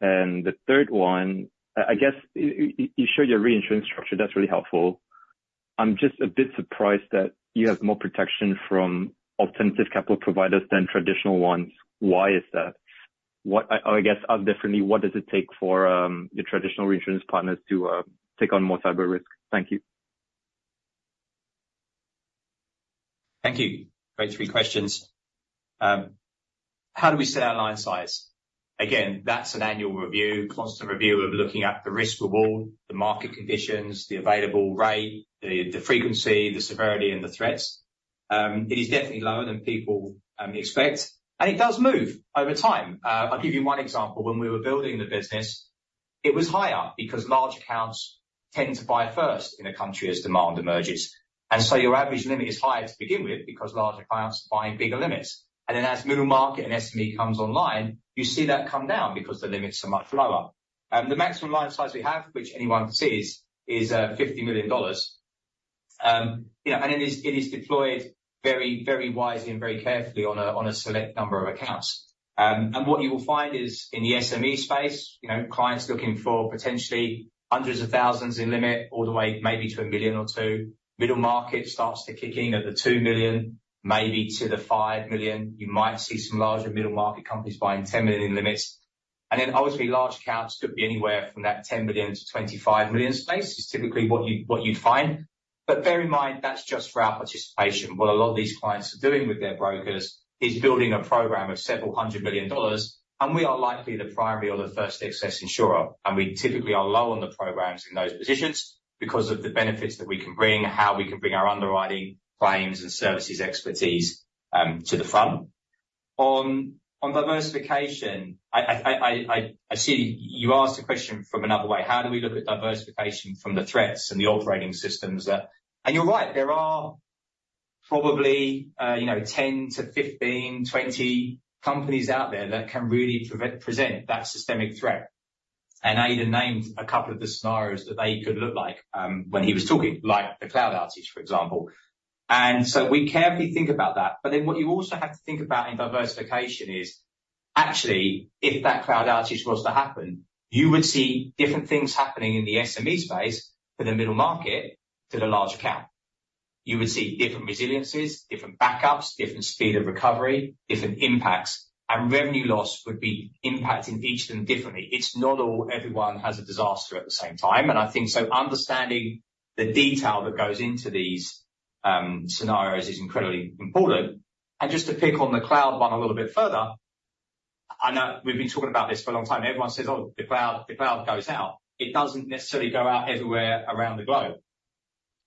And the third one, I guess, you showed your reinsurance structure. That's really helpful. I'm just a bit surprised that you have more protection from alternative capital providers than traditional ones. Why is that? What, or I guess, asked differently, what does it take for your traditional reinsurance partners to take on more cyber risk? Thank you. Thank you. Great three questions. How do we set our line size? Again, that's an annual review, constant review of looking at the risk reward, the market conditions, the available rate, the frequency, the severity, and the threats. It is definitely lower than people expect, and it does move over time. I'll give you one example. When we were building the business, it was higher because large accounts tend to buy first in a country as demand emerges. And so your average limit is higher to begin with because larger clients are buying bigger limits. And then as middle market and SME comes online, you see that come down because the limits are much lower. The maximum line size we have, which anyone sees, is $50 million. And it is deployed very, very wisely and very carefully on a select number of accounts. And what you will find is, in the SME space clients looking for potentially hundreds of thousands in limit all the way maybe to a million or two. Middle market starts to kick in at the $2 million, maybe to the $5 million. You might see some larger middle-market companies buying $10 million limits. And then obviously, large accounts could be anywhere from that $10 million-$25 million space is typically what you'd find. But bear in mind, that's just for our participation. What a lot of these clients are doing with their brokers is building a program of $several hundred million, and we are likely the primary or the first excess insurer, and we typically are low on the programs in those positions because of the benefits that we can bring, how we can bring our underwriting, claims, and services expertise to the front. On diversification, I see you asked the question from another way. How do we look at diversification from the threats and the operating systems that. And you're right, there are probably 10-15, 20 companies out there that can really present that systemic threat, and Aidan named a couple of the scenarios that they could look like when he was talking, like the cloud outage, for example. And so we carefully think about that, but then what you also have to think about in diversification is, actually, if that cloud outage was to happen, you would see different things happening in the SME space for the middle market to the large account. You would see different resiliencies, different backups, different speed of recovery, different impacts, and revenue loss would be impacting each of them differently. It's not all everyone has a disaster at the same time, and I think so understanding the detail that goes into these scenarios is incredibly important. And just to pick on the cloud one a little bit further, I know we've been talking about this for a long time. Everyone says, "Oh, the cloud, the cloud goes out." It doesn't necessarily go out everywhere around the globe.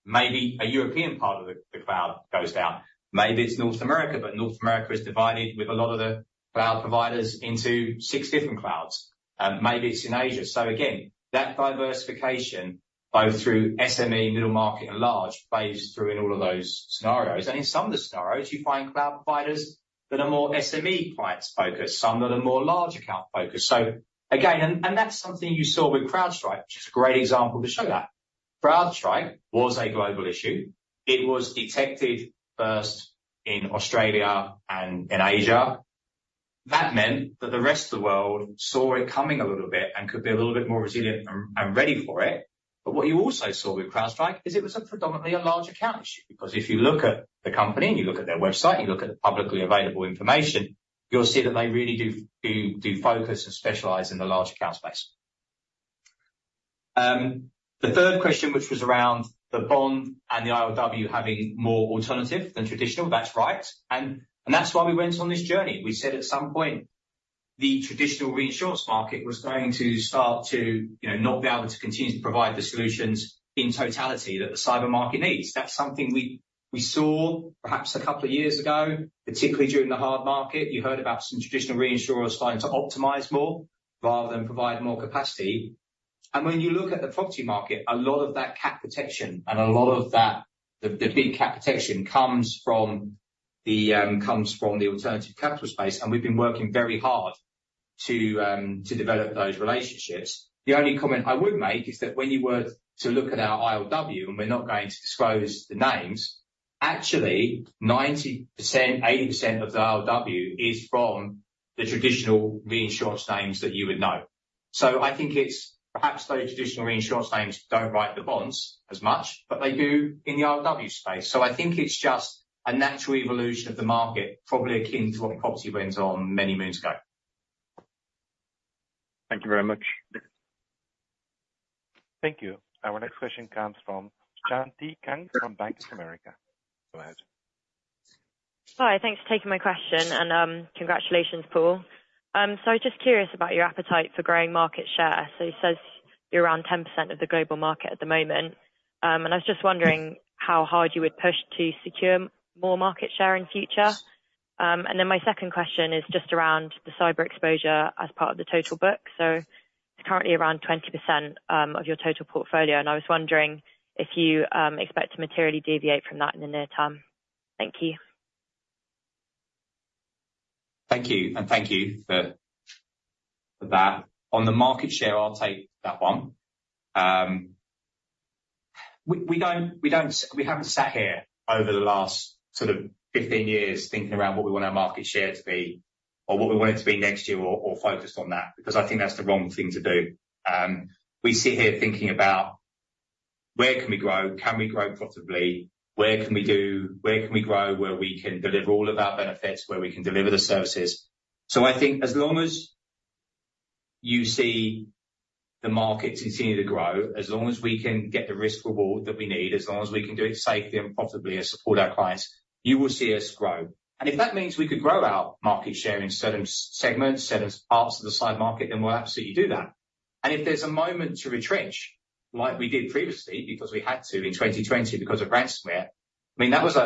Maybe a European part of the cloud goes down. Maybe it's North America, but North America is divided with a lot of the cloud providers into six different clouds. Maybe it's in Asia. So again, that diversification, both through SME, middle market, and large, plays through in all of those scenarios. And in some of the scenarios, you find cloud providers that are more SME clients focused. Some that are more large account focused. So again, that's something you saw with CrowdStrike, which is a great example to show that. CrowdStrike was a global issue. It was detected first in Australia and in Asia. That meant that the rest of the world saw it coming a little bit and could be a little bit more resilient and ready for it. But what you also saw with CrowdStrike is it was predominantly a large account issue, because if you look at the company, and you look at their website, and you look at the publicly available information, you'll see that they really do focus and specialize in the large account space. The third question, which was around the bond and the ILW having more alternative than traditional, that's right, and that's why we went on this journey. We said at some point, the traditional reinsurance market was going to start to not be able to continue to provide the solutions in totality that the cyber market needs. That's something we saw perhaps a couple of years ago, particularly during the hard market. You heard about some traditional reinsurers starting to optimize more rather than provide more capacity. When you look at the property market, a lot of that cap protection and a lot of that, the big cap protection comes from the, comes from the alternative capital space, and we've been working very hard to, to develop those relationships. The only comment I would make is that when you were to look at our ILW, and we're not going to disclose the names, actually 90%, 80% of the ILW is from the traditional reinsurance names that you would know. So I think it's perhaps those traditional reinsurance names don't write the bonds as much, but they do in the ILW space. So I think it's just a natural evolution of the market, probably akin to what the property went on many moons ago. Thank you very much. Thank you. Our next question comes from Shant Kant from Bank of America. Go ahead. Hi, thanks for taking my question, and, congratulations, Paul. So I was just curious about your appetite for growing market share. So it says you're around 10% of the global market at the moment, and I was just wondering how hard you would push to secure more market share in future. And then my second question is just around the cyber exposure as part of the total book. So it's currently around 20%, of your total portfolio, and I was wondering if you, expect to materially deviate from that in the near term. Thank you. Thank you, and thank you for that. On the market share, I'll take that one. We haven't sat here over the last sort of 15 years thinking about what we want our market share to be or what we want it to be next year or focused on that, because I think that's the wrong thing to do. We sit here thinking about where can we grow, can we grow profitably, where can we grow, where we can deliver all of our benefits, where we can deliver the services? So I think as long as you see the market continue to grow, as long as we can get the risk reward that we need, as long as we can do it safely and profitably and support our clients, you will see us grow. If that means we could grow our market share in certain segments, certain parts of the side market, then we'll absolutely do that. If there's a moment to retrench, like we did previously, because we had to in 2020 because of ransomware, I mean, that was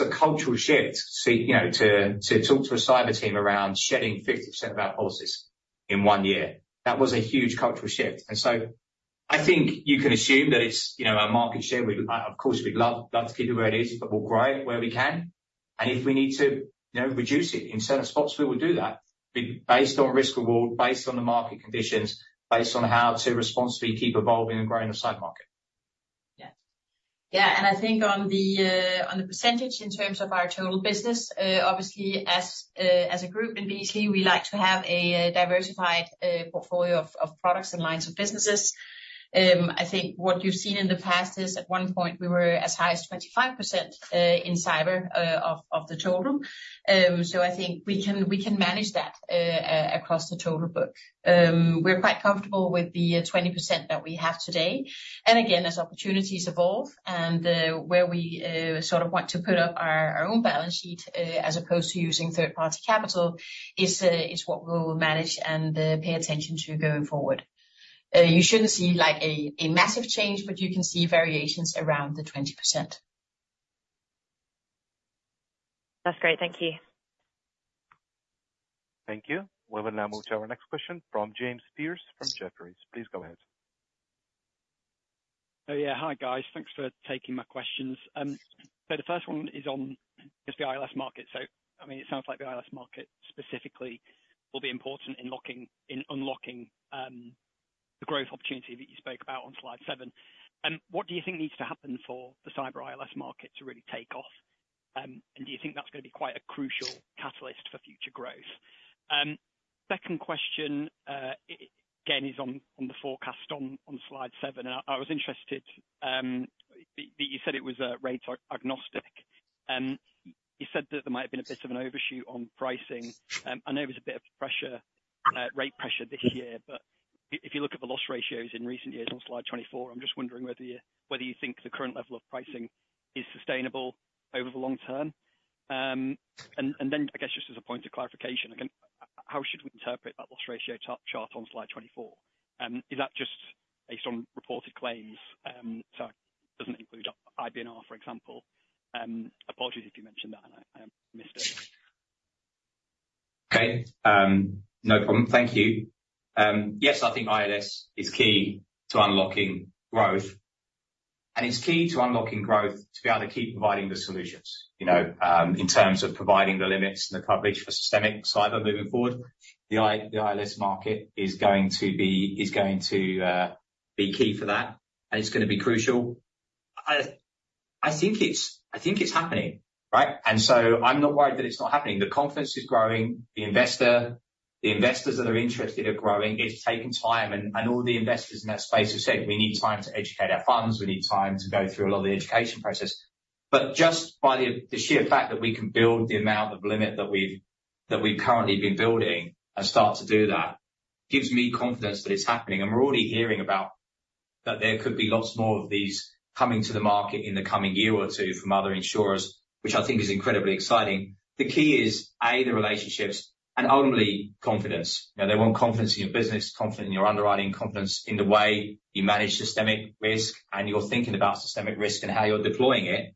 a cultural shift to see to talk to a cyber team around shedding 50% of our policies in one year. That was a huge cultural shift. And so I think you can assume that it's our market share we'd, of course, we'd love, love to keep it where it is, but we'll grow it where we can, and if we need to reduce it in certain spots, we will do that, based on risk reward, based on the market conditions, based on how to responsibly keep evolving and growing the cyber market. Yeah. Yeah, and I think on the percentage in terms of our total business, obviously, as a group in Beazley, we like to have a diversified portfolio of products and lines of businesses. I think what you've seen in the past is, at one point, we were as high as 25% in cyber of the total. So I think we can manage that across the total book. We're quite comfortable with the 20% that we have today, and again, as opportunities evolve, and where we sort of want to put up our own balance sheet, as opposed to using third-party capital, is what we will manage and pay attention to going forward. You shouldn't see, like, a massive change, but you can see variations around the 20%. That's great. Thank you. Thank you. We will now move to our next question from James Pearce from Jefferies. Please go ahead. Oh, yeah. Hi, guys. Thanks for taking my questions. So the first one is on the ILS market. So, I mean, it sounds like the ILS market specifically will be important in locking, in unlocking the growth opportunity that you spoke about on slide seven. What do you think needs to happen for the cyber ILS market to really take off? And do you think that's gonna be quite a crucial catalyst for future growth? Second question, again, is on the forecast on slide seven, and I was interested that you said it was rate agnostic. You said that there might have been a bit of an overshoot on pricing. I know there was a bit of pressure, rate pressure this year, but if you look at the loss ratios in recent years on slide 24, I'm just wondering whether you think the current level of pricing is sustainable over the long term, and then, I guess just as a point of clarification, again, how should we interpret that loss ratio chart on slide 24? Is that just based on reported claims, so doesn't include IBNR, for example? Apologies if you mentioned that, and I missed it. No problem. Thank you. Yes, I think ILS is key to unlocking growth, and it's key to unlocking growth to be able to keep providing the solutions in terms of providing the limits and the coverage for systemic cyber moving forward. The ILS market is going to be key for that, and it's gonna be crucial. I think it's happening, right? And so I'm not worried that it's not happening. The confidence is growing. The investors that are interested are growing. It's taking time, and all the investors in that space have said, "We need time to educate our funds. We need time to go through a lot of the education process." But just by the sheer fact that we can build the amount of limit that we've currently been building and start to do that gives me confidence that it's happening, and we're already hearing about that there could be lots more of these coming to the market in the coming year or two from other insurers, which I think is incredibly exciting. The key is, A, the relationships and ultimately confidence. They want confidence in your business, confidence in your underwriting, confidence in the way you manage systemic risk, and you're thinking about systemic risk and how you're deploying it,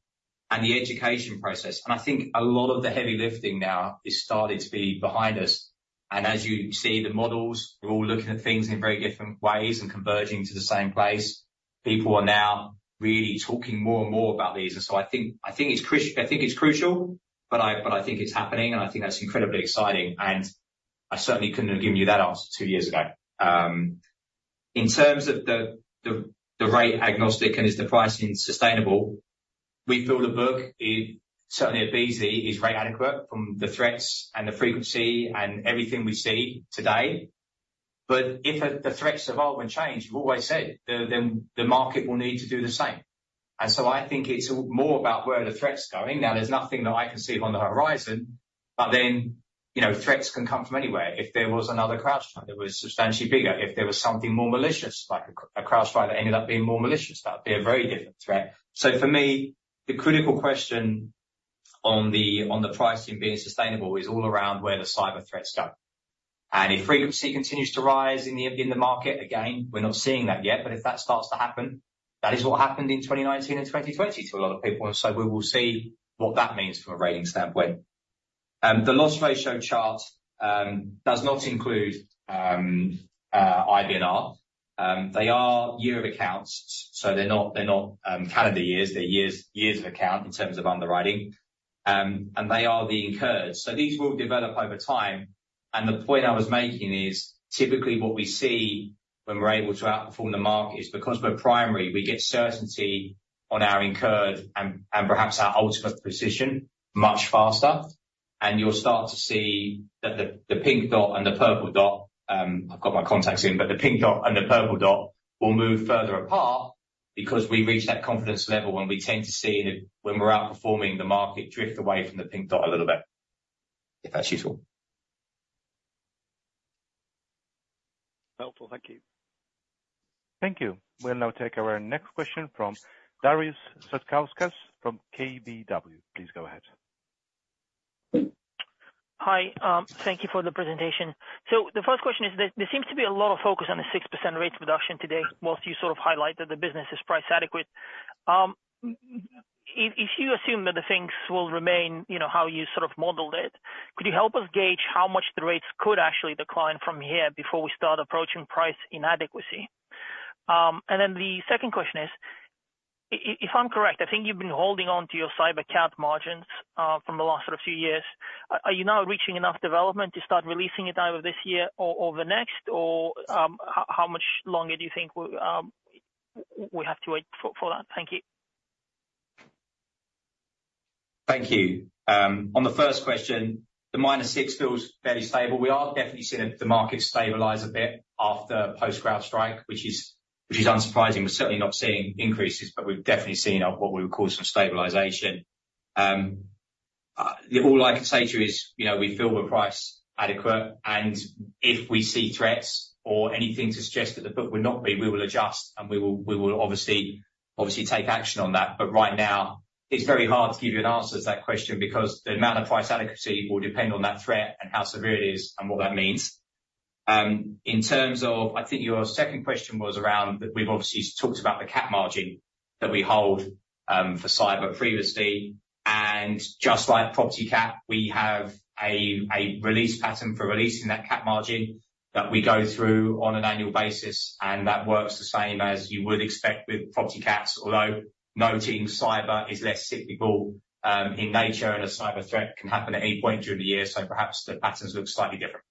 and the education process. And I think a lot of the heavy lifting now is starting to be behind us, and as you see the models, we're all looking at things in very different ways and converging to the same place. People are now really talking more and more about these, and so I think it's crucial, but I think it's happening, and I think that's incredibly exciting, and I certainly couldn't have given you that answer two years ago. In terms of the rate agnostic and is the pricing sustainable, we feel the book is certainly at Beazley rate adequate from the threats and the frequency and everything we see today. But if the threats evolve and change, we've always said then the market will need to do the same. And so I think it's more about where the threat's going. Now, there's nothing that I can see on the horizon, but then threats can come from anywhere. If there was another CrowdStrike that was substantially bigger, if there was something more malicious, like a CrowdStrike that ended up being more malicious, that would be a very different threat. So for me, the critical question on the pricing being sustainable is all around where the cyber threats go. And if frequency continues to rise in the market, again, we're not seeing that yet, but if that starts to happen, that is what happened in 2019 and 2020 to a lot of people, and so we will see what that means from a rating standpoint. The loss ratio chart does not include IBNR. They are years of account, so they're not calendar years. They're years of account in terms of underwriting, and they are the incurred. So these will develop over time, and the point I was making is typically what we see when we're able to outperform the market is, because we're primary, we get certainty on our incurred and perhaps our ultimate position much faster, and you'll start to see that the pink dot and the purple dot. I've got my contacts in, but the pink dot and the purple dot will move further apart because we reach that confidence level when we tend to see, when we're outperforming the market, drift away from the pink dot a little bit, if that's useful. Helpful. Thank you. Thank you. We'll now take our next question from Darius Satkauskas from KBW. Please go ahead. Hi. Thank you for the presentation. So the first question is that there seems to be a lot of focus on the 6% rate reduction today, whilst you sort of highlight that the business is price adequate. If you assume that the things will remain, how you sort of modeled it, could you help us gauge how much the rates could actually decline from here before we start approaching price inadequacy? And then the second question is, if I'm correct, I think you've been holding on to your cyber cat margins from the last sort of few years. Are you now reaching enough development to start releasing it either this year or the next, or how much longer do you think we have to wait for that? Thank you. Thank you. On the first question, the -6 feels fairly stable. We are definitely seeing the market stabilize a bit after post-CrowdStrike, which is unsurprising. We're certainly not seeing increases, but we've definitely seen a what we would call some stabilization. All I can say to you i we feel we're price adequate, and if we see threats or anything to suggest that the book would not be, we will adjust, and we will obviously take action on that. But right now, it's very hard to give you an answer to that question, because the amount of price adequacy will depend on that threat and how severe it is and what that means. In terms of, I think your second question was around, that we've obviously talked about the cat margin that we hold, for cyber previously, and just like property cat, we have a release pattern for releasing that cat margin, that we go through on an annual basis, and that works the same as you would expect with property cats, although noting cyber is less cyclical, in nature, and a cyber threat can happen at any point during the year, so perhaps the patterns look slightly different.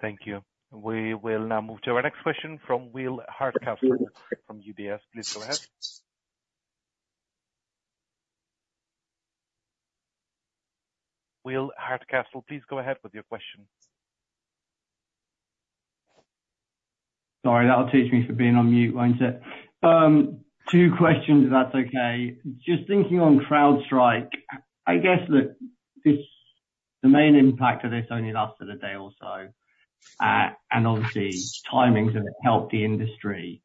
Thank you. We will now move to our next question from Will Hardcastle from UBS. Please go ahead. Will Hardcastle, please go ahead with your question. Sorry, that'll teach me for being on mute, won't it? Two questions, if that's okay. Just thinking on CrowdStrike, I guess that this, the main impact of this only lasted a day or so, and obviously, timings have helped the industry.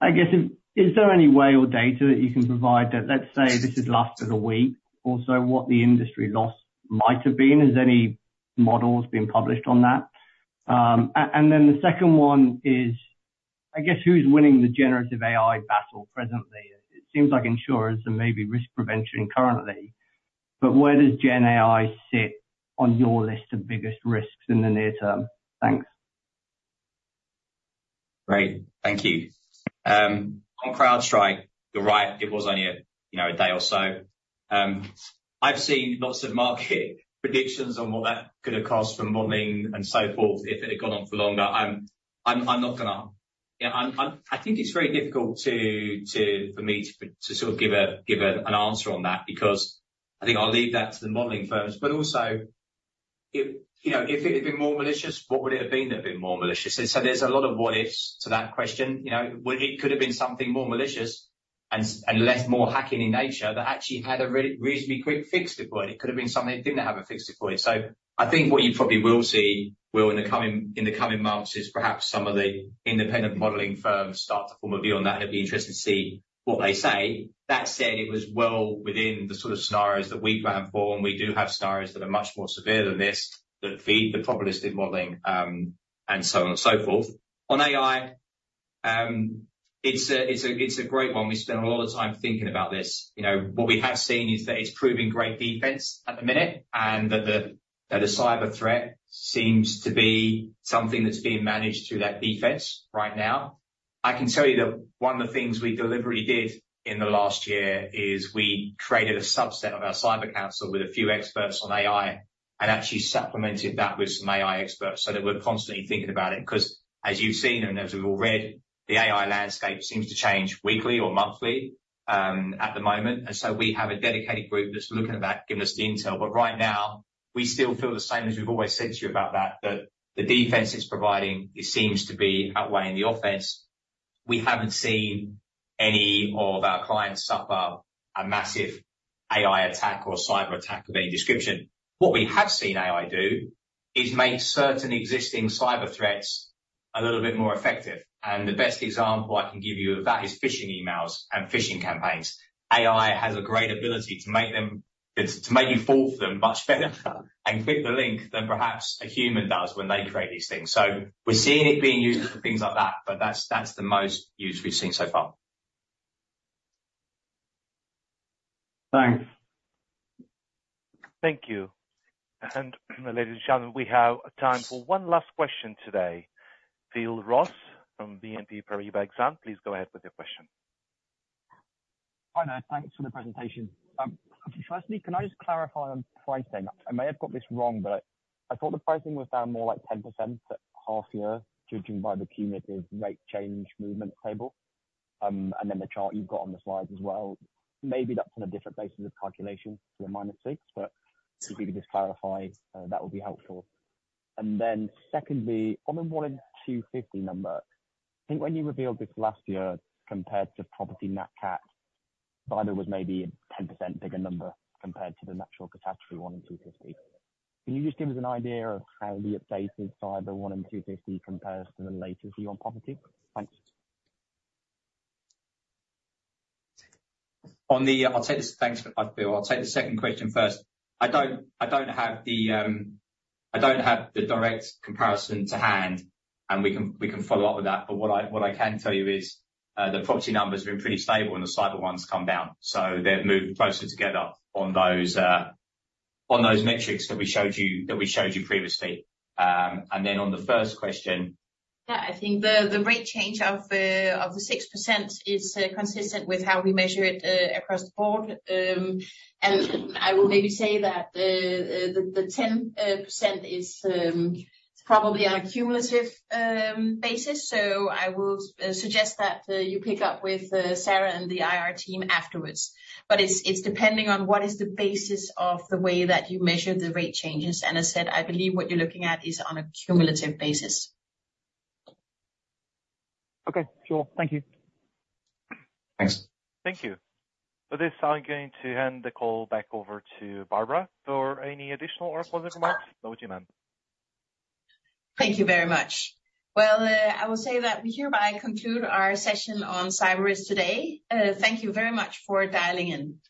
I guess, is there any way or data that you can provide, that let's say, this had lasted a week, or so, what the industry loss might have been? Has any models been published on that? And then the second one is, I guess, who's winning the generative AI battle presently? It seems like insurers and maybe risk prevention currently, but where does gen AI sit on your list of biggest risks in the near term? Thanks. Great. Thank you. On CrowdStrike, you're right, it was only a day or so. I've seen lots of market predictions on what that could have cost for modeling and so forth, if it had gone on for longer. I think it's very difficult to for me to sort of give a an answer on that, because I think I'll leave that to the modeling firms. But also, if it had been more malicious, what would it have been that had been more malicious? And so there's a lot of what ifs to that question. It could have been something more malicious and less more hacking in nature, that actually had a reasonably quick fix deployed. It could have been something that didn't have a fix deployed. So I think what you probably will see, Will, in the coming months, is perhaps some of the independent modeling firms start to form a view on that, and it'll be interesting to see what they say. That said, it was well within the sort of scenarios that we plan for, and we do have scenarios that are much more severe than this, that feed the probabilistic modeling, and so on and so forth. On AI, it's a great one. We spend a lot of time thinking about this. What we have seen is that it's proving great defense at the minute, and that the cyber threat seems to be something that's being managed through that defense right now. I can tell you that one of the things we deliberately did in the last year is we created a subset of our Cyber Council with a few experts on AI, and actually supplemented that with some AI experts, so that we're constantly thinking about it, because as you've seen, and as we've all read, the AI landscape seems to change weekly or monthly at the moment. And so we have a dedicated group that's looking at that, giving us the intel. But right now, we still feel the same as we've always said to you about that, that the defense it's providing it seems to be outweighing the offense. We haven't seen any of our clients suffer a massive AI attack or cyber attack of any description. What we have seen AI do is make certain existing cyber threats a little bit more effective, and the best example I can give you of that is phishing emails and phishing campaigns. AI has a great ability to make them. It's to make you fall for them much better and click the link than perhaps a human does when they create these things. So we're seeing it being used for things like that, but that's, that's the most use we've seen so far. Thanks. Thank you. And ladies and gentlemen, we have time for one last question today. Phil Ross from BNP Paribas Exane, please go ahead with your question. Hi, there. Thanks for the presentation. Firstly, can I just clarify on pricing? I may have got this wrong, but I thought the pricing was down more like 10% for half year, judging by the cumulative rate change movement table, and then the chart you've got on the slides as well. Maybe that's on a different basis of calculation for the -6, but if you could just clarify, that would be helpful. And then secondly, on the 1-in-250 number, I think when you revealed this last year, compared to property NatCat, cyber was maybe a 10% bigger number compared to the natural catastrophe 1-in-250. Can you just give us an idea of how the updated cyber 1-in-250 compares to the latest view on property? Thanks. On the, I'll take this. Thanks, Phil. I'll take the second question first. I don't have the direct comparison to hand, and we can follow up with that. But what I can tell you is, the property numbers have been pretty stable, and the cyber ones come down. So they've moved closer together on those metrics that we showed you previously. And then on the first question. Yeah, I think the rate change of the 6% is consistent with how we measure it across the board. And I will maybe say that the 10% is probably on a cumulative basis, so I will suggest that you pick up with Sarah and the IR team afterwards. But it's depending on what is the basis of the way that you measure the rate changes. And as I said, I believe what you're looking at is on a cumulative basis. Okay, sure. Thank you. Thanks. Thank you. With this, I'm going to hand the call back over to Barbara for any additional or closing remarks. Would you mind? Thank you very much. I will say that we hereby conclude our session on cyber risk today. Thank you very much for dialing in.